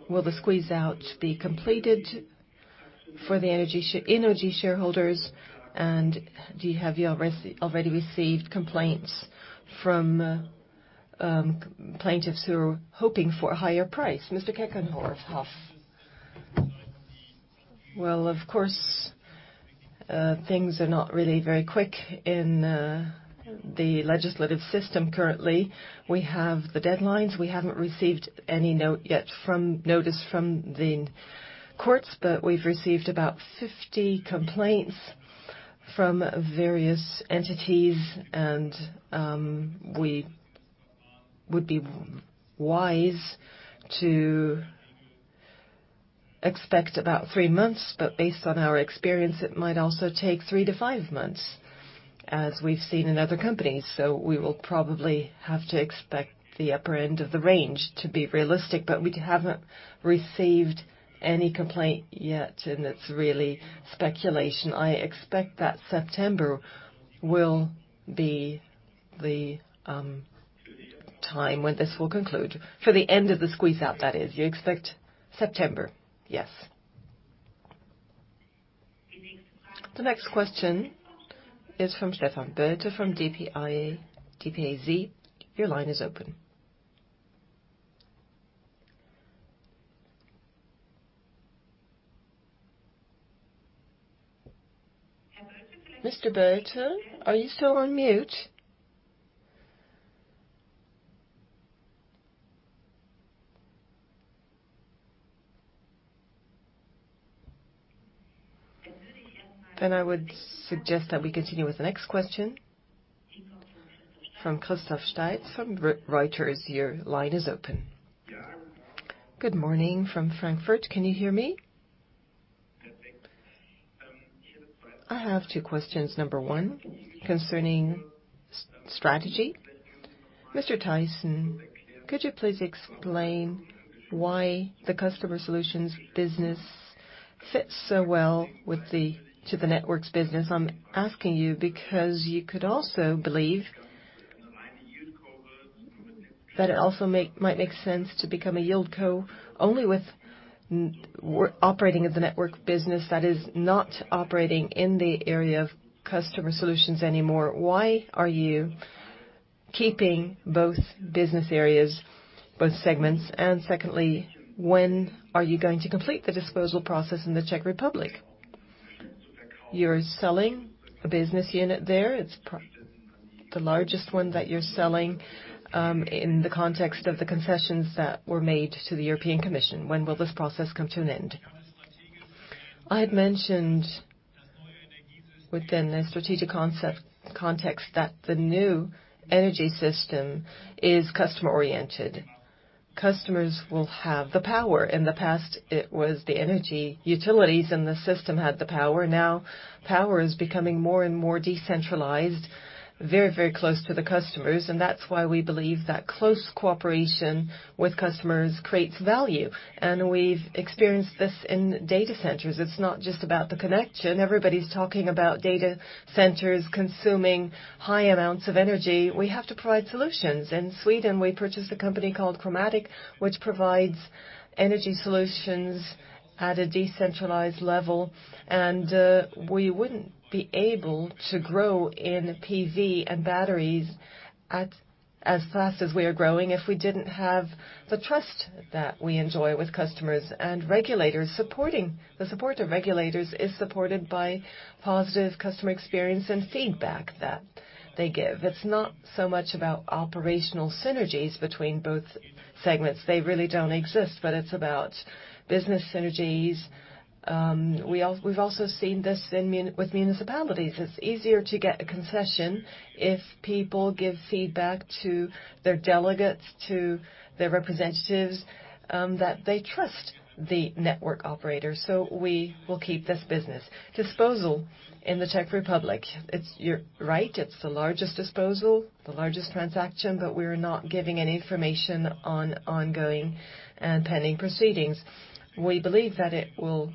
will the squeeze-out be completed for the Innogy shareholders? Have you already received complaints from plaintiffs who are hoping for a higher price? Mr. Käckenhoff. Well, of course, things are not really very quick in the legislative system currently. We have the deadlines. We haven't received any notice yet from the courts, but we've received about 50 complaints from various entities, and we would be wise to expect about three months, but based on our experience, it might also take three to five months, as we've seen in other companies. We will probably have to expect the upper end of the range to be realistic. We haven't received any complaint yet, and it's really speculation. I expect that September will be the time when this will conclude. For the end of the squeeze-out, that is. You expect September? Yes. The next question is from [Stefan Berte from DPIZ]. Your line is open. Mr. Berte, are you still on mute? Then I would suggest that we continue with the next question from Christoph Steitz from Reuters. Your line is open. Good morning from Frankfurt. Can you hear me? I have two questions. Number one, concerning strategy. Mr. Teyssen, could you please explain why the Customer Solutions business fits so well to the Energy Networks business? I'm asking you because you could also believe that it also might make sense to become a yield co only with operating of the Energy Networks business that is not operating in the area of Customer Solutions anymore. Why are you keeping both business areas, both segments? Secondly, when are you going to complete the disposal process in the Czech Republic? You're selling a business unit there. It's the largest one that you're selling in the context of the concessions that were made to the European Commission. When will this process come to an end? I had mentioned within the strategic context that the new energy system is customer-oriented. Customers will have the power. In the past, it was the energy utilities and the system had the power. Now, power is becoming more and more decentralized, very, very close to the customers, and that's why we believe that close cooperation with customers creates value. We've experienced this in data centers. It's not just about the connection. Everybody's talking about data centers consuming high amounts of energy. We have to provide solutions. In Sweden, we purchased a company called Coromatic, which provides energy solutions at a decentralized level. We wouldn't be able to grow in PV and batteries as fast as we are growing if we didn't have the trust that we enjoy with customers and regulators supporting. The support of regulators is supported by positive customer experience and feedback that they give. It's not so much about operational synergies between both segments. They really don't exist, but it's about business synergies. We've also seen this with municipalities. It's easier to get a concession if people give feedback to their delegates, to their representatives, that they trust the network operator. We will keep this business. Disposal in the Czech Republic. You're right, it's the largest disposal, the largest transaction, but we're not giving any information on ongoing and pending proceedings. We believe that it will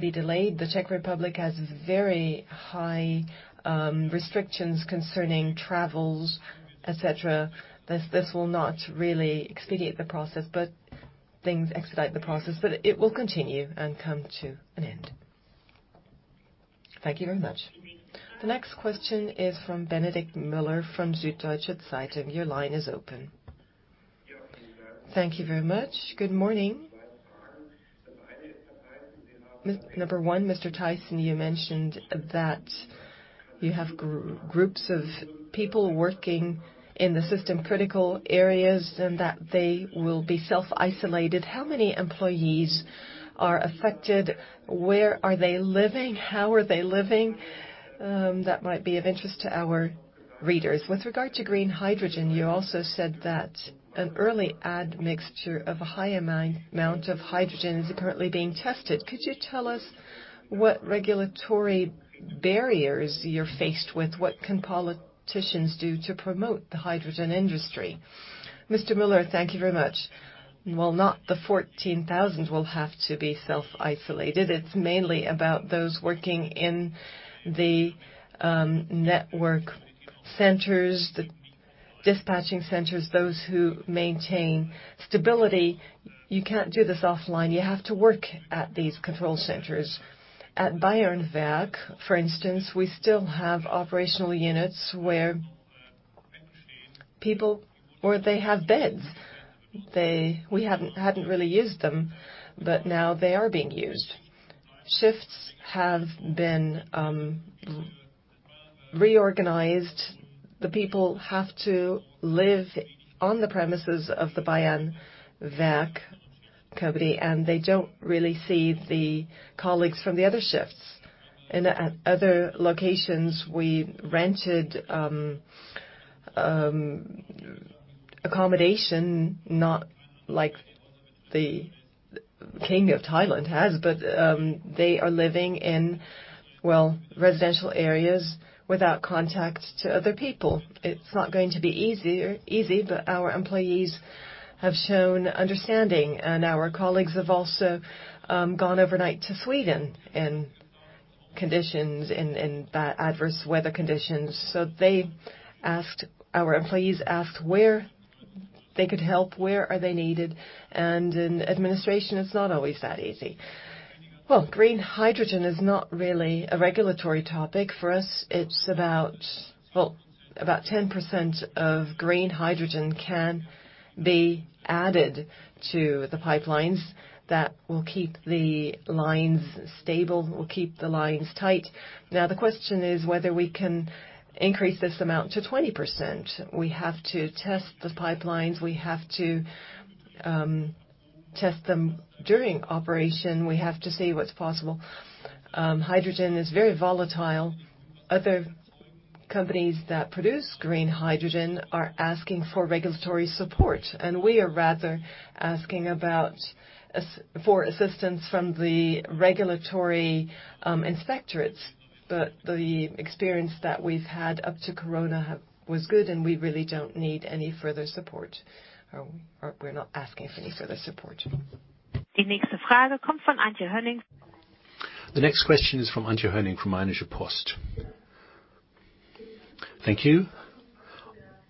be delayed. The Czech Republic has very high restrictions concerning travels, et cetera. This will not really expedite the process, but things expedite the process. It will continue and come to an end. Thank you very much. The next question is from Benedikt Müller from Süddeutsche Zeitung. Your line is open. Thank you very much. Good morning. Number one, Mr. Teyssen, you mentioned that you have groups of people working in the system-critical areas and that they will be self-isolated. How many employees are affected? Where are they living? How are they living? That might be of interest to our readers. With regard to green hydrogen, you also said that an early admixture of a high amount of hydrogen is currently being tested. Could you tell us what regulatory barriers you're faced with? What can politicians do to promote the hydrogen industry? Mr. Müller, thank you very much. Well, not the 14,000 will have to be self-isolated. It's mainly about those working in the network centers, the dispatching centers, those who maintain stability. You can't do this offline. You have to work at these control centers. At Bayernwerk, for instance, we still have operational units where people Where they have beds. We hadn't really used them, but now they are being used. Shifts have been reorganized. The people have to live on the premises of the Bayernwerk company, and they don't really see the colleagues from the other shifts. At other locations, we rented accommodation, not like the King of Thailand has, but they are living in residential areas without contact to other people. It's not going to be easy, but our employees have shown understanding, and our colleagues have also gone overnight to Sweden in adverse weather conditions. Our employees asked where they could help, where are they needed. In administration, it's not always that easy. Well, green hydrogen is not really a regulatory topic for us. It's about 10% of green hydrogen can be added to the pipelines that will keep the lines stable, will keep the lines tight. The question is whether we can increase this amount to 20%. We have to test the pipelines. We have to test them during operation. We have to see what's possible. Hydrogen is very volatile. Other companies that produce green hydrogen are asking for regulatory support, and we are rather asking for assistance from the regulatory inspectorates. The experience that we've had up to Corona was good, and we really don't need any further support, or we're not asking for any further support. The next question is from Antje Höning from Rheinische Post. Thank you.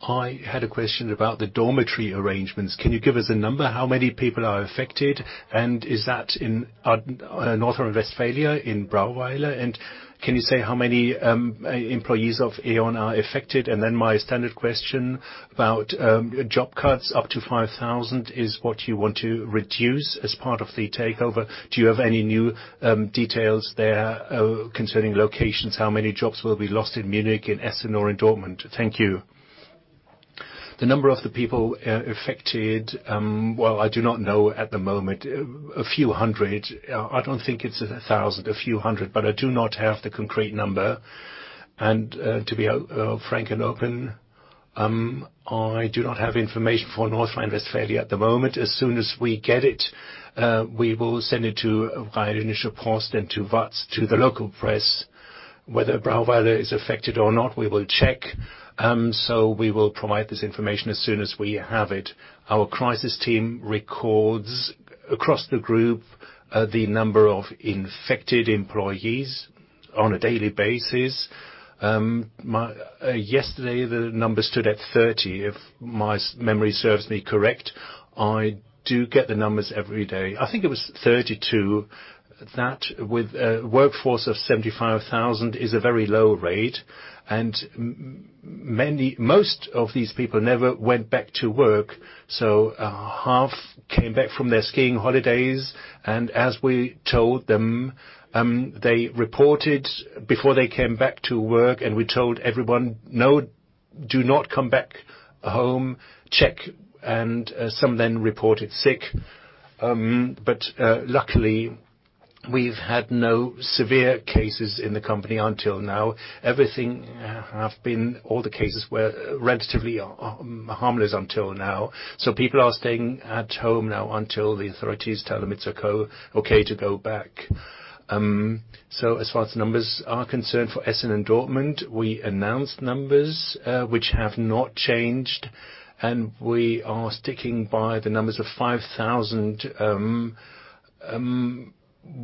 I had a question about the dormitory arrangements. Can you give us a number? How many people are affected, and is that in North Rhine-Westphalia in Brauweiler? Can you say how many employees of E.ON are affected? My standard question about job cuts up to 5,000 is what you want to reduce as part of the takeover. Do you have any new details there concerning locations? How many jobs will be lost in Munich, in Essen or in Dortmund? Thank you. The number of the people affected, well, I do not know at the moment. A few hundred. I don't think it's 1,000, a few hundred, but I do not have the concrete number. To be frank and open, I do not have information for North Rhine-Westphalia at the moment. As soon as we get it, we will send it to Manager Magazin and to the local press. Whether Brauweiler is affected or not, we will check. We will provide this information as soon as we have it. Our crisis team records across the group the number of infected employees on a daily basis. Yesterday, the number stood at 30, if my memory serves me correct. I do get the numbers every day. I think it was 32. That with a workforce of 75,000 is a very low rate. Most of these people never went back to work. Half came back from their skiing holidays, and as we told them, they reported before they came back to work, and we told everyone, "No, do not come back home. Check." Some then reported sick. Luckily, we've had no severe cases in the company until now. All the cases were relatively harmless until now. People are staying at home now until the authorities tell them it's okay to go back. As far as numbers are concerned for Essen and Dortmund, we announced numbers, which have not changed, and we are sticking by the numbers of 5,000.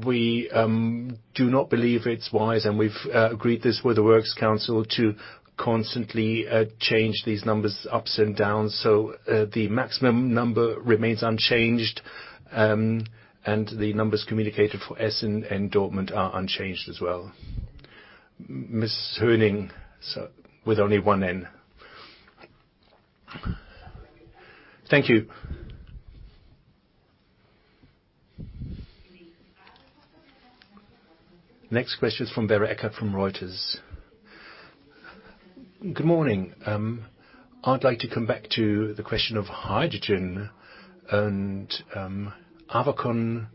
We do not believe it's wise, and we've agreed this with the works council to constantly change these numbers ups and downs. The maximum number remains unchanged, and the numbers communicated for Essen and Dortmund are unchanged as well. Verena Höning, with only one N. Thank you. Next question is from Vera Eckert from Reuters. Good morning. I'd like to come back to the question of hydrogen and Avacon,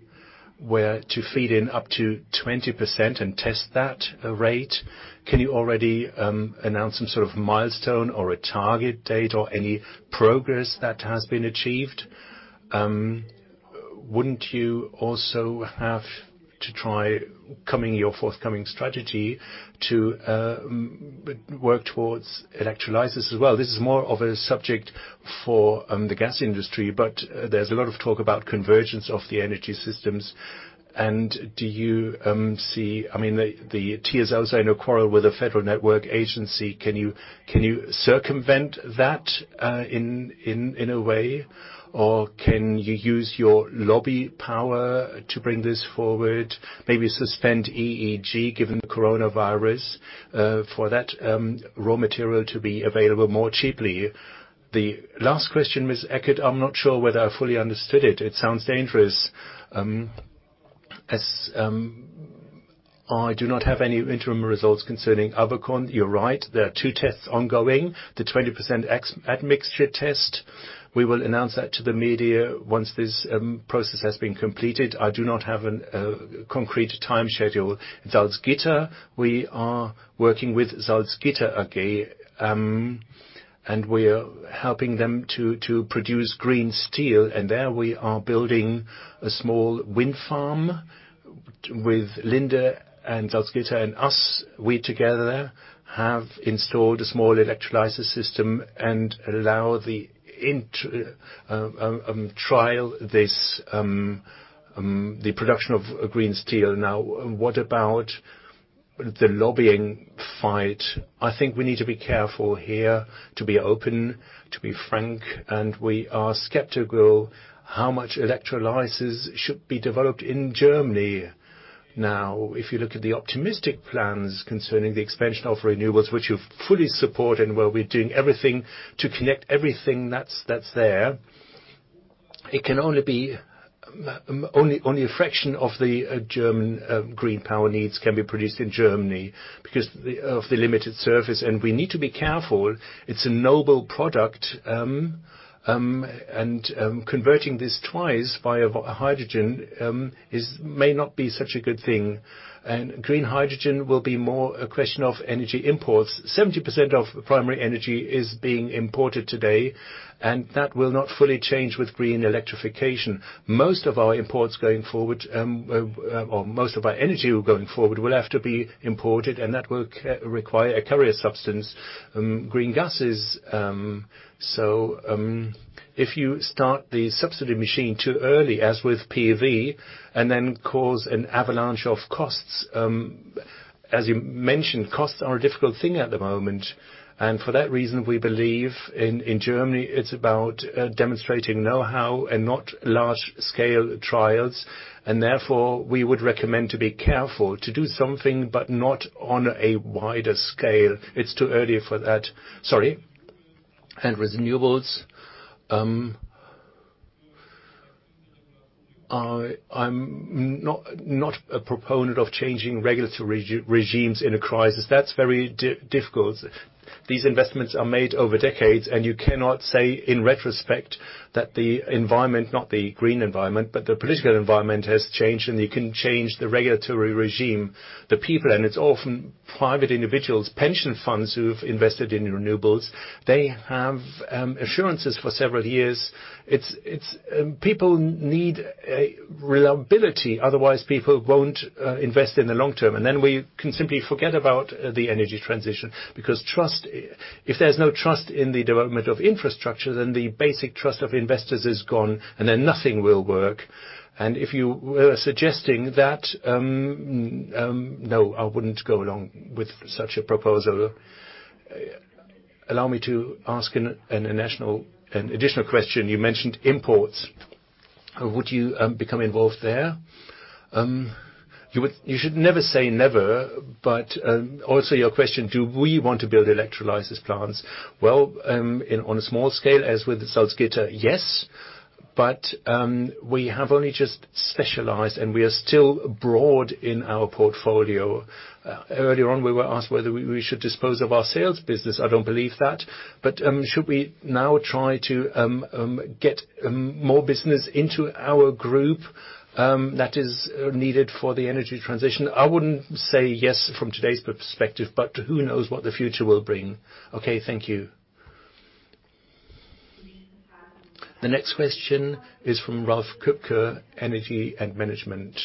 where to feed in up to 20% and test that rate. Can you already announce some sort of milestone or a target date or any progress that has been achieved? Wouldn't you also have to try, coming your forthcoming strategy, to work towards electrolysis as well? This is more of a subject for the gas industry. There's a lot of talk about convergence of the energy systems. The TSOs, I know, quarrel with the Federal Network Agency. Can you circumvent that in a way, or can you use your lobby power to bring this forward, maybe suspend EEG, given the coronavirus, for that raw material to be available more cheaply? The last question, Vera Eckert, I'm not sure whether I fully understood it. It sounds dangerous. As I do not have any interim results concerning Avacon, you're right. There are two tests ongoing. The 20% admixture test, we will announce that to the media once this process has been completed. I do not have a concrete time schedule. Salzgitter, we are working with Salzgitter AG, we are helping them to produce green steel, there we are building a small wind farm with Linde and Salzgitter and us. We together have installed a small electrolysis system and allow the trial this, the production of green steel. What about the lobbying fight? I think we need to be careful here, to be open, to be frank, we are skeptical how much electrolysis should be developed in Germany. If you look at the optimistic plans concerning the expansion of renewables, which we fully support and where we are doing everything to connect everything that is there. Only a fraction of the German green power needs can be produced in Germany because of the limited surface. We need to be careful. It is a noble product, and converting this twice via hydrogen may not be such a good thing. Green hydrogen will be more a question of energy imports. 70% of primary energy is being imported today, and that will not fully change with green electrification. Most of our imports going forward, or most of our energy going forward, will have to be imported, and that will require a carrier substance, green gases. If you start the subsidy machine too early, as with PV, and then cause an avalanche of costs. As you mentioned, costs are a difficult thing at the moment. For that reason, we believe in Germany, it's about demonstrating knowhow and not large-scale trials. Therefore, we would recommend to be careful, to do something, but not on a wider scale. It's too early for that. Sorry. With renewables, I'm not a proponent of changing regulatory regimes in a crisis. That's very difficult. These investments are made over decades, and you cannot say in retrospect that the environment, not the green environment, but the political environment has changed and you can change the regulatory regime. The people, and it's often private individuals, pension funds who've invested in renewables. They have assurances for several years. People need reliability, otherwise people won't invest in the long term. We can simply forget about the energy transition because if there's no trust in the development of infrastructure, then the basic trust of investors is gone, and then nothing will work. If you were suggesting that, no, I wouldn't go along with such a proposal. Allow me to ask an additional question. You mentioned imports. Would you become involved there? You should never say never, but also your question, do we want to build electrolysis plants? Well, on a small scale, as with Salzgitter, yes. We have only just specialized, and we are still broad in our portfolio. Earlier on, we were asked whether we should dispose of our sales business. I don't believe that. Should we now try to get more business into our group that is needed for the energy transition? I wouldn't say yes from today's perspective, but who knows what the future will bring. Okay, thank you. The next question is from Ralf Köpke, Energie & Management.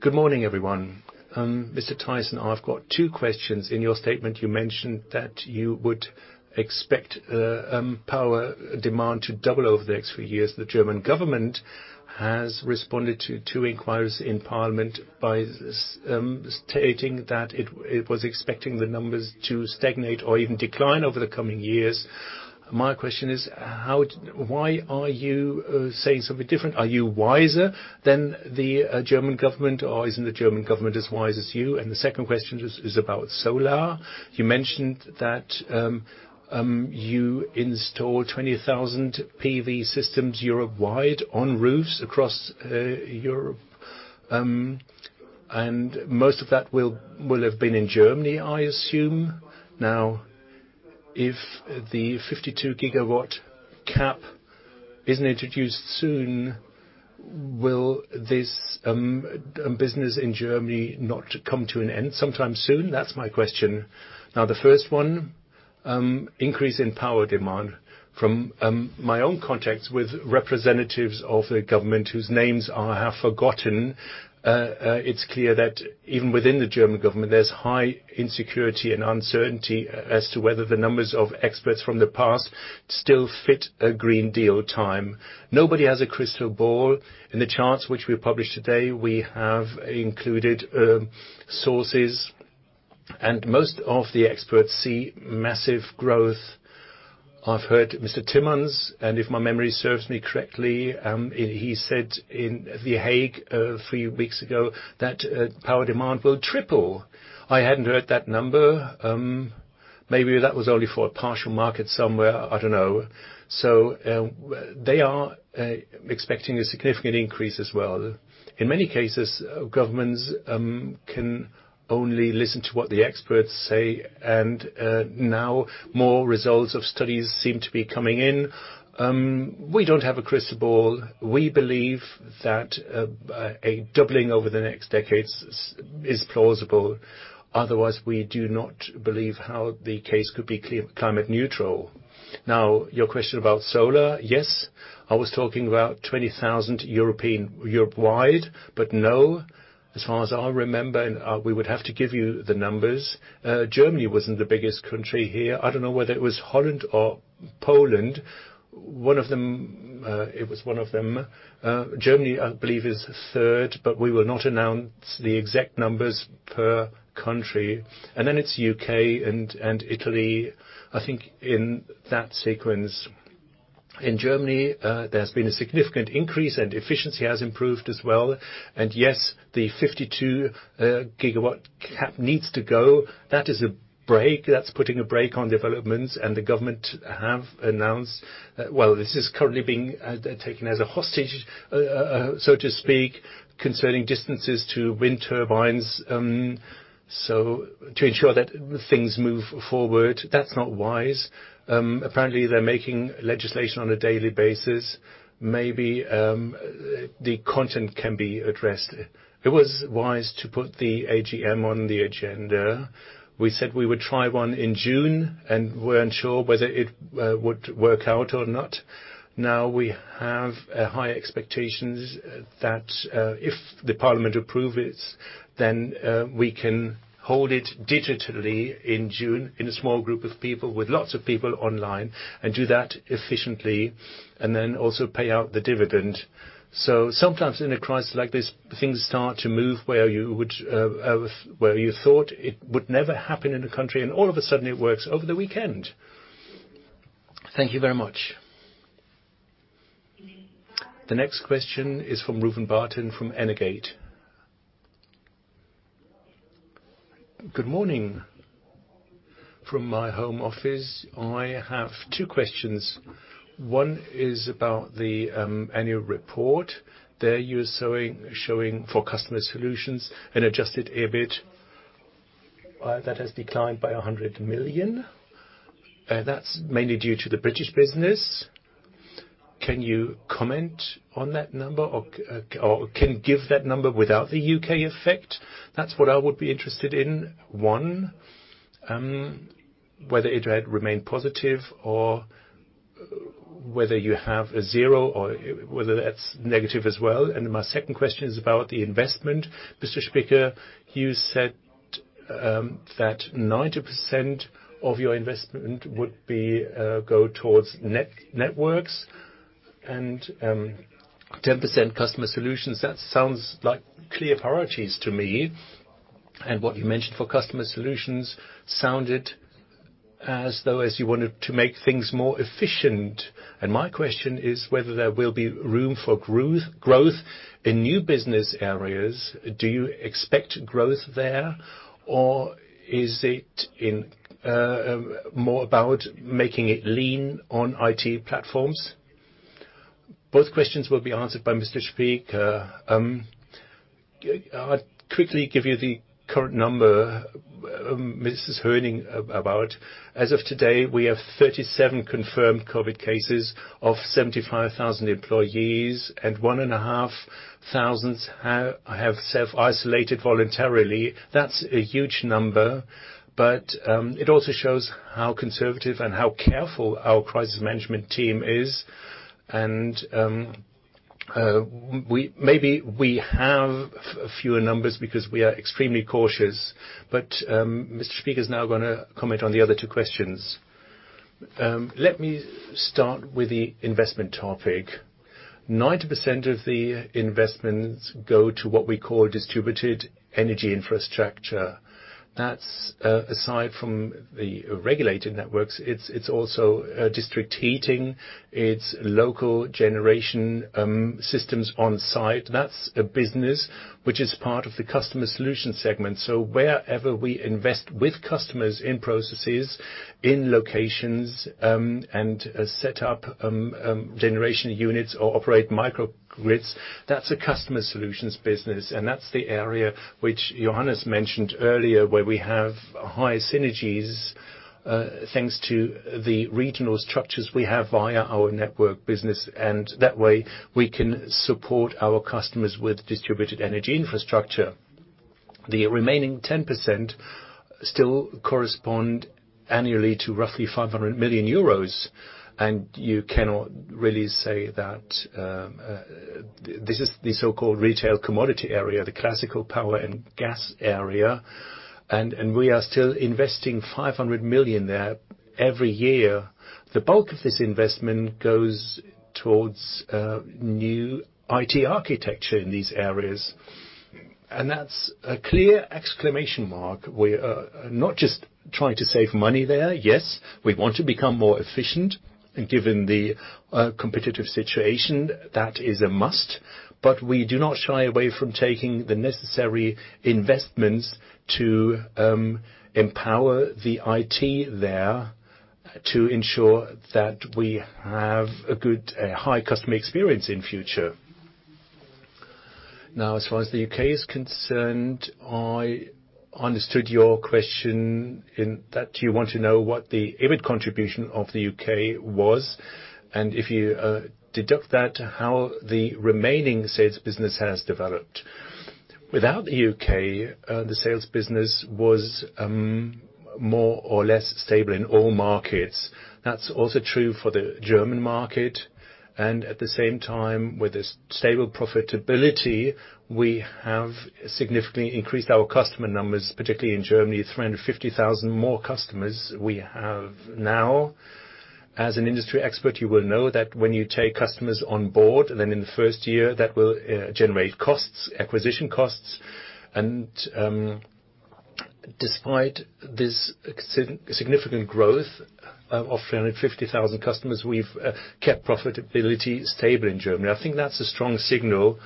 Good morning, everyone. Mr. Teyssen, I've got two questions. In your statement, you mentioned that you would expect power demand to double over the next few years. The German government has responded to two inquiries in parliament by stating that it was expecting the numbers to stagnate or even decline over the coming years. My question is why are you saying something different? Are you wiser than the German government, or isn't the German government as wise as you? The second question is about solar. You mentioned that you install 20,000 PV systems Europe-wide on roofs across Europe. Most of that will have been in Germany, I assume. If the 52 GW cap isn't introduced soon? Will this business in Germany not come to an end sometime soon? That's my question. The first one, increase in power demand. From my own contacts with representatives of the government, whose names I have forgotten, it's clear that even within the German government, there's high insecurity and uncertainty as to whether the numbers of experts from the past still fit a Green Deal time. Nobody has a crystal ball. In the charts which we've published today, we have included sources, and most of the experts see massive growth. I've heard Frans Timmermans, and if my memory serves me correctly, he said in The Hague a few weeks ago that power demand will triple. I hadn't heard that number. Maybe that was only for a partial market somewhere, I don't know. They are expecting a significant increase as well. In many cases, governments can only listen to what the experts say, and more results of studies seem to be coming in. We don't have a crystal ball. We believe that a doubling over the next decades is plausible. Otherwise, we do not believe how the case could be climate neutral. Your question about solar. Yes, I was talking about 20,000 Europe-wide. As far as I remember, and we would have to give you the numbers. Germany wasn't the biggest country here. I don't know whether it was Holland or Poland. It was one of them. Germany, I believe, is third, we will not announce the exact numbers per country. It's U.K. and Italy, I think in that sequence. In Germany, there's been a significant increase and efficiency has improved as well. Yes, the 52 GW cap needs to go. That is a brake. That's putting a brake on developments, and the government have announced Well, this is currently being taken as a hostage, so to speak, concerning distances to wind turbines. To ensure that things move forward. That's not wise. Apparently, they're making legislation on a daily basis. Maybe the content can be addressed. It was wise to put the AGM on the agenda. We said we would try one in June, and weren't sure whether it would work out or not. Now we have high expectations that if the parliament approve it, then we can hold it digitally in June in a small group of people with lots of people online, and do that efficiently, and then also pay out the dividend. Sometimes in a crisis like this, things start to move where you thought it would never happen in a country, and all of a sudden it works over the weekend. Thank you very much. The next question is from Rouben Bathke from Energate. Good morning from my home office. I have two questions. One is about the annual report. There you're showing for Customer Solutions an Adjusted EBIT that has declined by 100 million. That's mainly due to the British business. Can you comment on that number, or can give that number without the U.K. effect? That's what I would be interested in, one. Whether it had remained positive or whether you have a zero or whether that's negative as well. My second question is about the investment. Mr. Spieker, you said that 90% of your investment would go towards Energy Networks and 10% Customer Solutions. That sounds like clear priorities to me, and what you mentioned for Customer Solutions sounded as though you wanted to make things more efficient. My question is whether there will be room for growth in new business areas. Do you expect growth there, or is it more about making it lean on IT platforms? Both questions will be answered by Mr. Spieker. I'll quickly give you the current number, Mrs. Höning. As of today, we have 37 confirmed COVID cases of 75,000 employees, and 1,500 have self-isolated voluntarily. That's a huge number, it also shows how conservative and how careful our crisis management team is. Maybe we have fewer numbers because we are extremely cautious. Mr. Spieker is now going to comment on the other two questions. Let me start with the investment topic. 90% of the investments go to what we call distributed energy infrastructure. That is aside from the regulated networks. It is also district heating. It is local generation systems on site. That is a business which is part of the Customer Solutions segment. Wherever we invest with customers in processes, in locations, and set up generation units or operate microgrids, that is a Customer Solutions business, and that is the area which Johannes mentioned earlier, where we have high synergies, thanks to the regional structures we have via our Energy Networks business. That way we can support our customers with distributed energy infrastructure. The remaining 10% still correspond annually to roughly 500 million euros. You cannot really say that this is the so-called retail commodity area, the classical power and gas area, and we are still investing 500 million there every year. The bulk of this investment goes towards new IT architecture in these areas. That's a clear exclamation mark. We are not just trying to save money there. Yes, we want to become more efficient. Given the competitive situation, that is a must. We do not shy away from taking the necessary investments to empower the IT there to ensure that we have a good high customer experience in future. As far as the U.K. is concerned, I understood your question in that you want to know what the EBIT contribution of the U.K. was. If you deduct that, how the remaining sales business has developed. Without the U.K., the sales business was more or less stable in all markets. That's also true for the German market. At the same time, with a stable profitability, we have significantly increased our customer numbers, particularly in Germany, 350,000 more customers we have now. As an industry expert, you will know that when you take customers on board, then in the first year, that will generate acquisition costs. Despite this significant growth of 350,000 customers, we've kept profitability stable in Germany. I think that's a strong signal.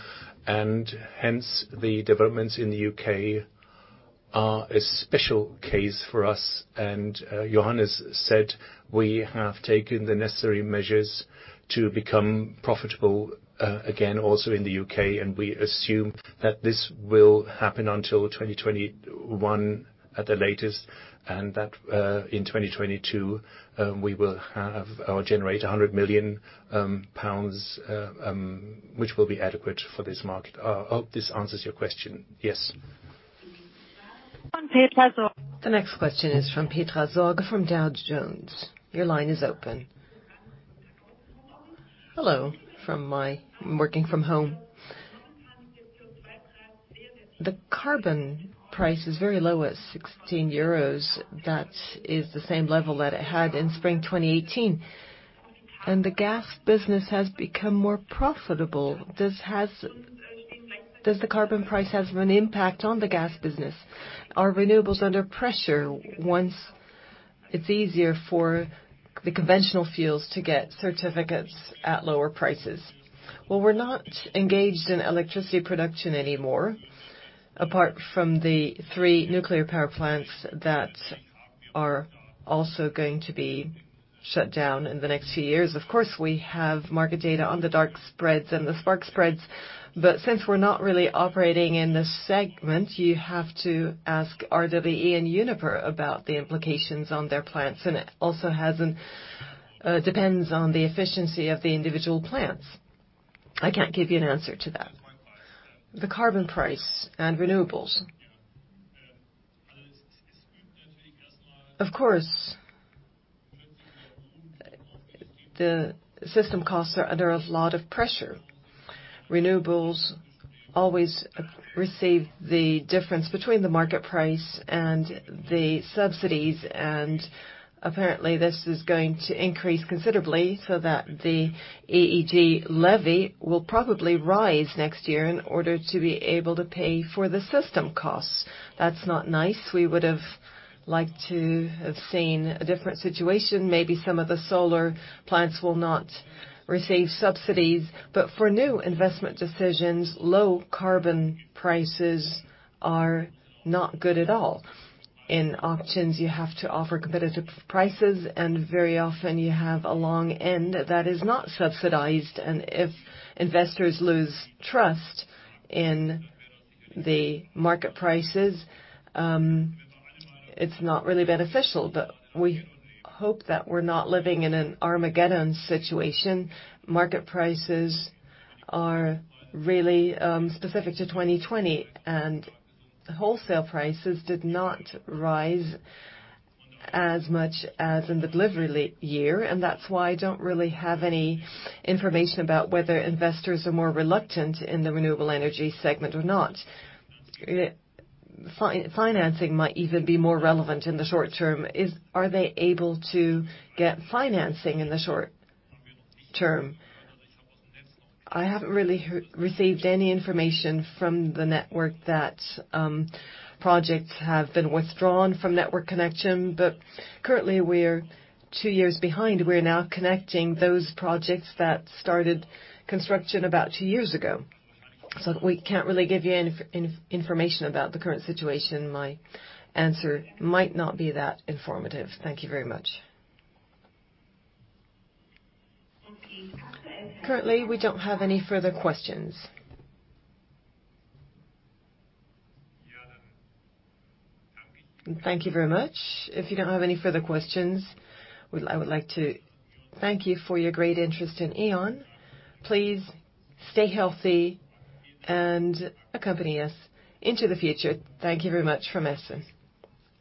Hence, the developments in the U.K. are a special case for us. Johannes said we have taken the necessary measures to become profitable, again, also in the U.K. We assume that this will happen until 2021 at the latest. In 2022, we will have or generate 100 million pounds, which will be adequate for this market. I hope this answers your question. Yes. The next question is from Petra Sorge, from Dow Jones. Your line is open. Hello from my working from home. The carbon price is very low at 16 euros. That is the same level that it had in spring 2018, and the gas business has become more profitable. Does the carbon price have an impact on the gas business? Are renewables under pressure once it's easier for the conventional fuels to get certificates at lower prices? Well, we're not engaged in electricity production anymore, apart from the three nuclear power plants that are also going to be shut down in the next few years. Of course, we have market data on the dark spreads and the spark spreads, but since we're not really operating in this segment, you have to ask RWE and Uniper about the implications on their plants, and it also depends on the efficiency of the individual plants. I can't give you an answer to that. The carbon price and renewables. Of course, the system costs are under a lot of pressure. Renewables always receive the difference between the market price and the subsidies, and apparently, this is going to increase considerably so that the EEG levy will probably rise next year in order to be able to pay for the system costs. That's not nice. We would've liked to have seen a different situation. Maybe some of the solar plants will not receive subsidies, but for new investment decisions, low carbon prices are not good at all. In auctions, you have to offer competitive prices, and very often you have a long end that is not subsidized. If investors lose trust in the market prices, it's not really beneficial. We hope that we're not living in an Armageddon situation. Market prices are really specific to 2020, and wholesale prices did not rise as much as in the delivery year. That's why I don't really have any information about whether investors are more reluctant in the renewable energy segment or not. Financing might even be more relevant in the short term. Are they able to get financing in the short term? I haven't really received any information from the network that projects have been withdrawn from network connection, but currently, we're two years behind. We're now connecting those projects that started construction about two years ago. We can't really give you any information about the current situation. My answer might not be that informative. Thank you very much. Currently, we don't have any further questions. Thank you very much. If you don't have any further questions, I would like to thank you for your great interest in E.ON. Please stay healthy and accompany us into the future. Thank you very much from Essen.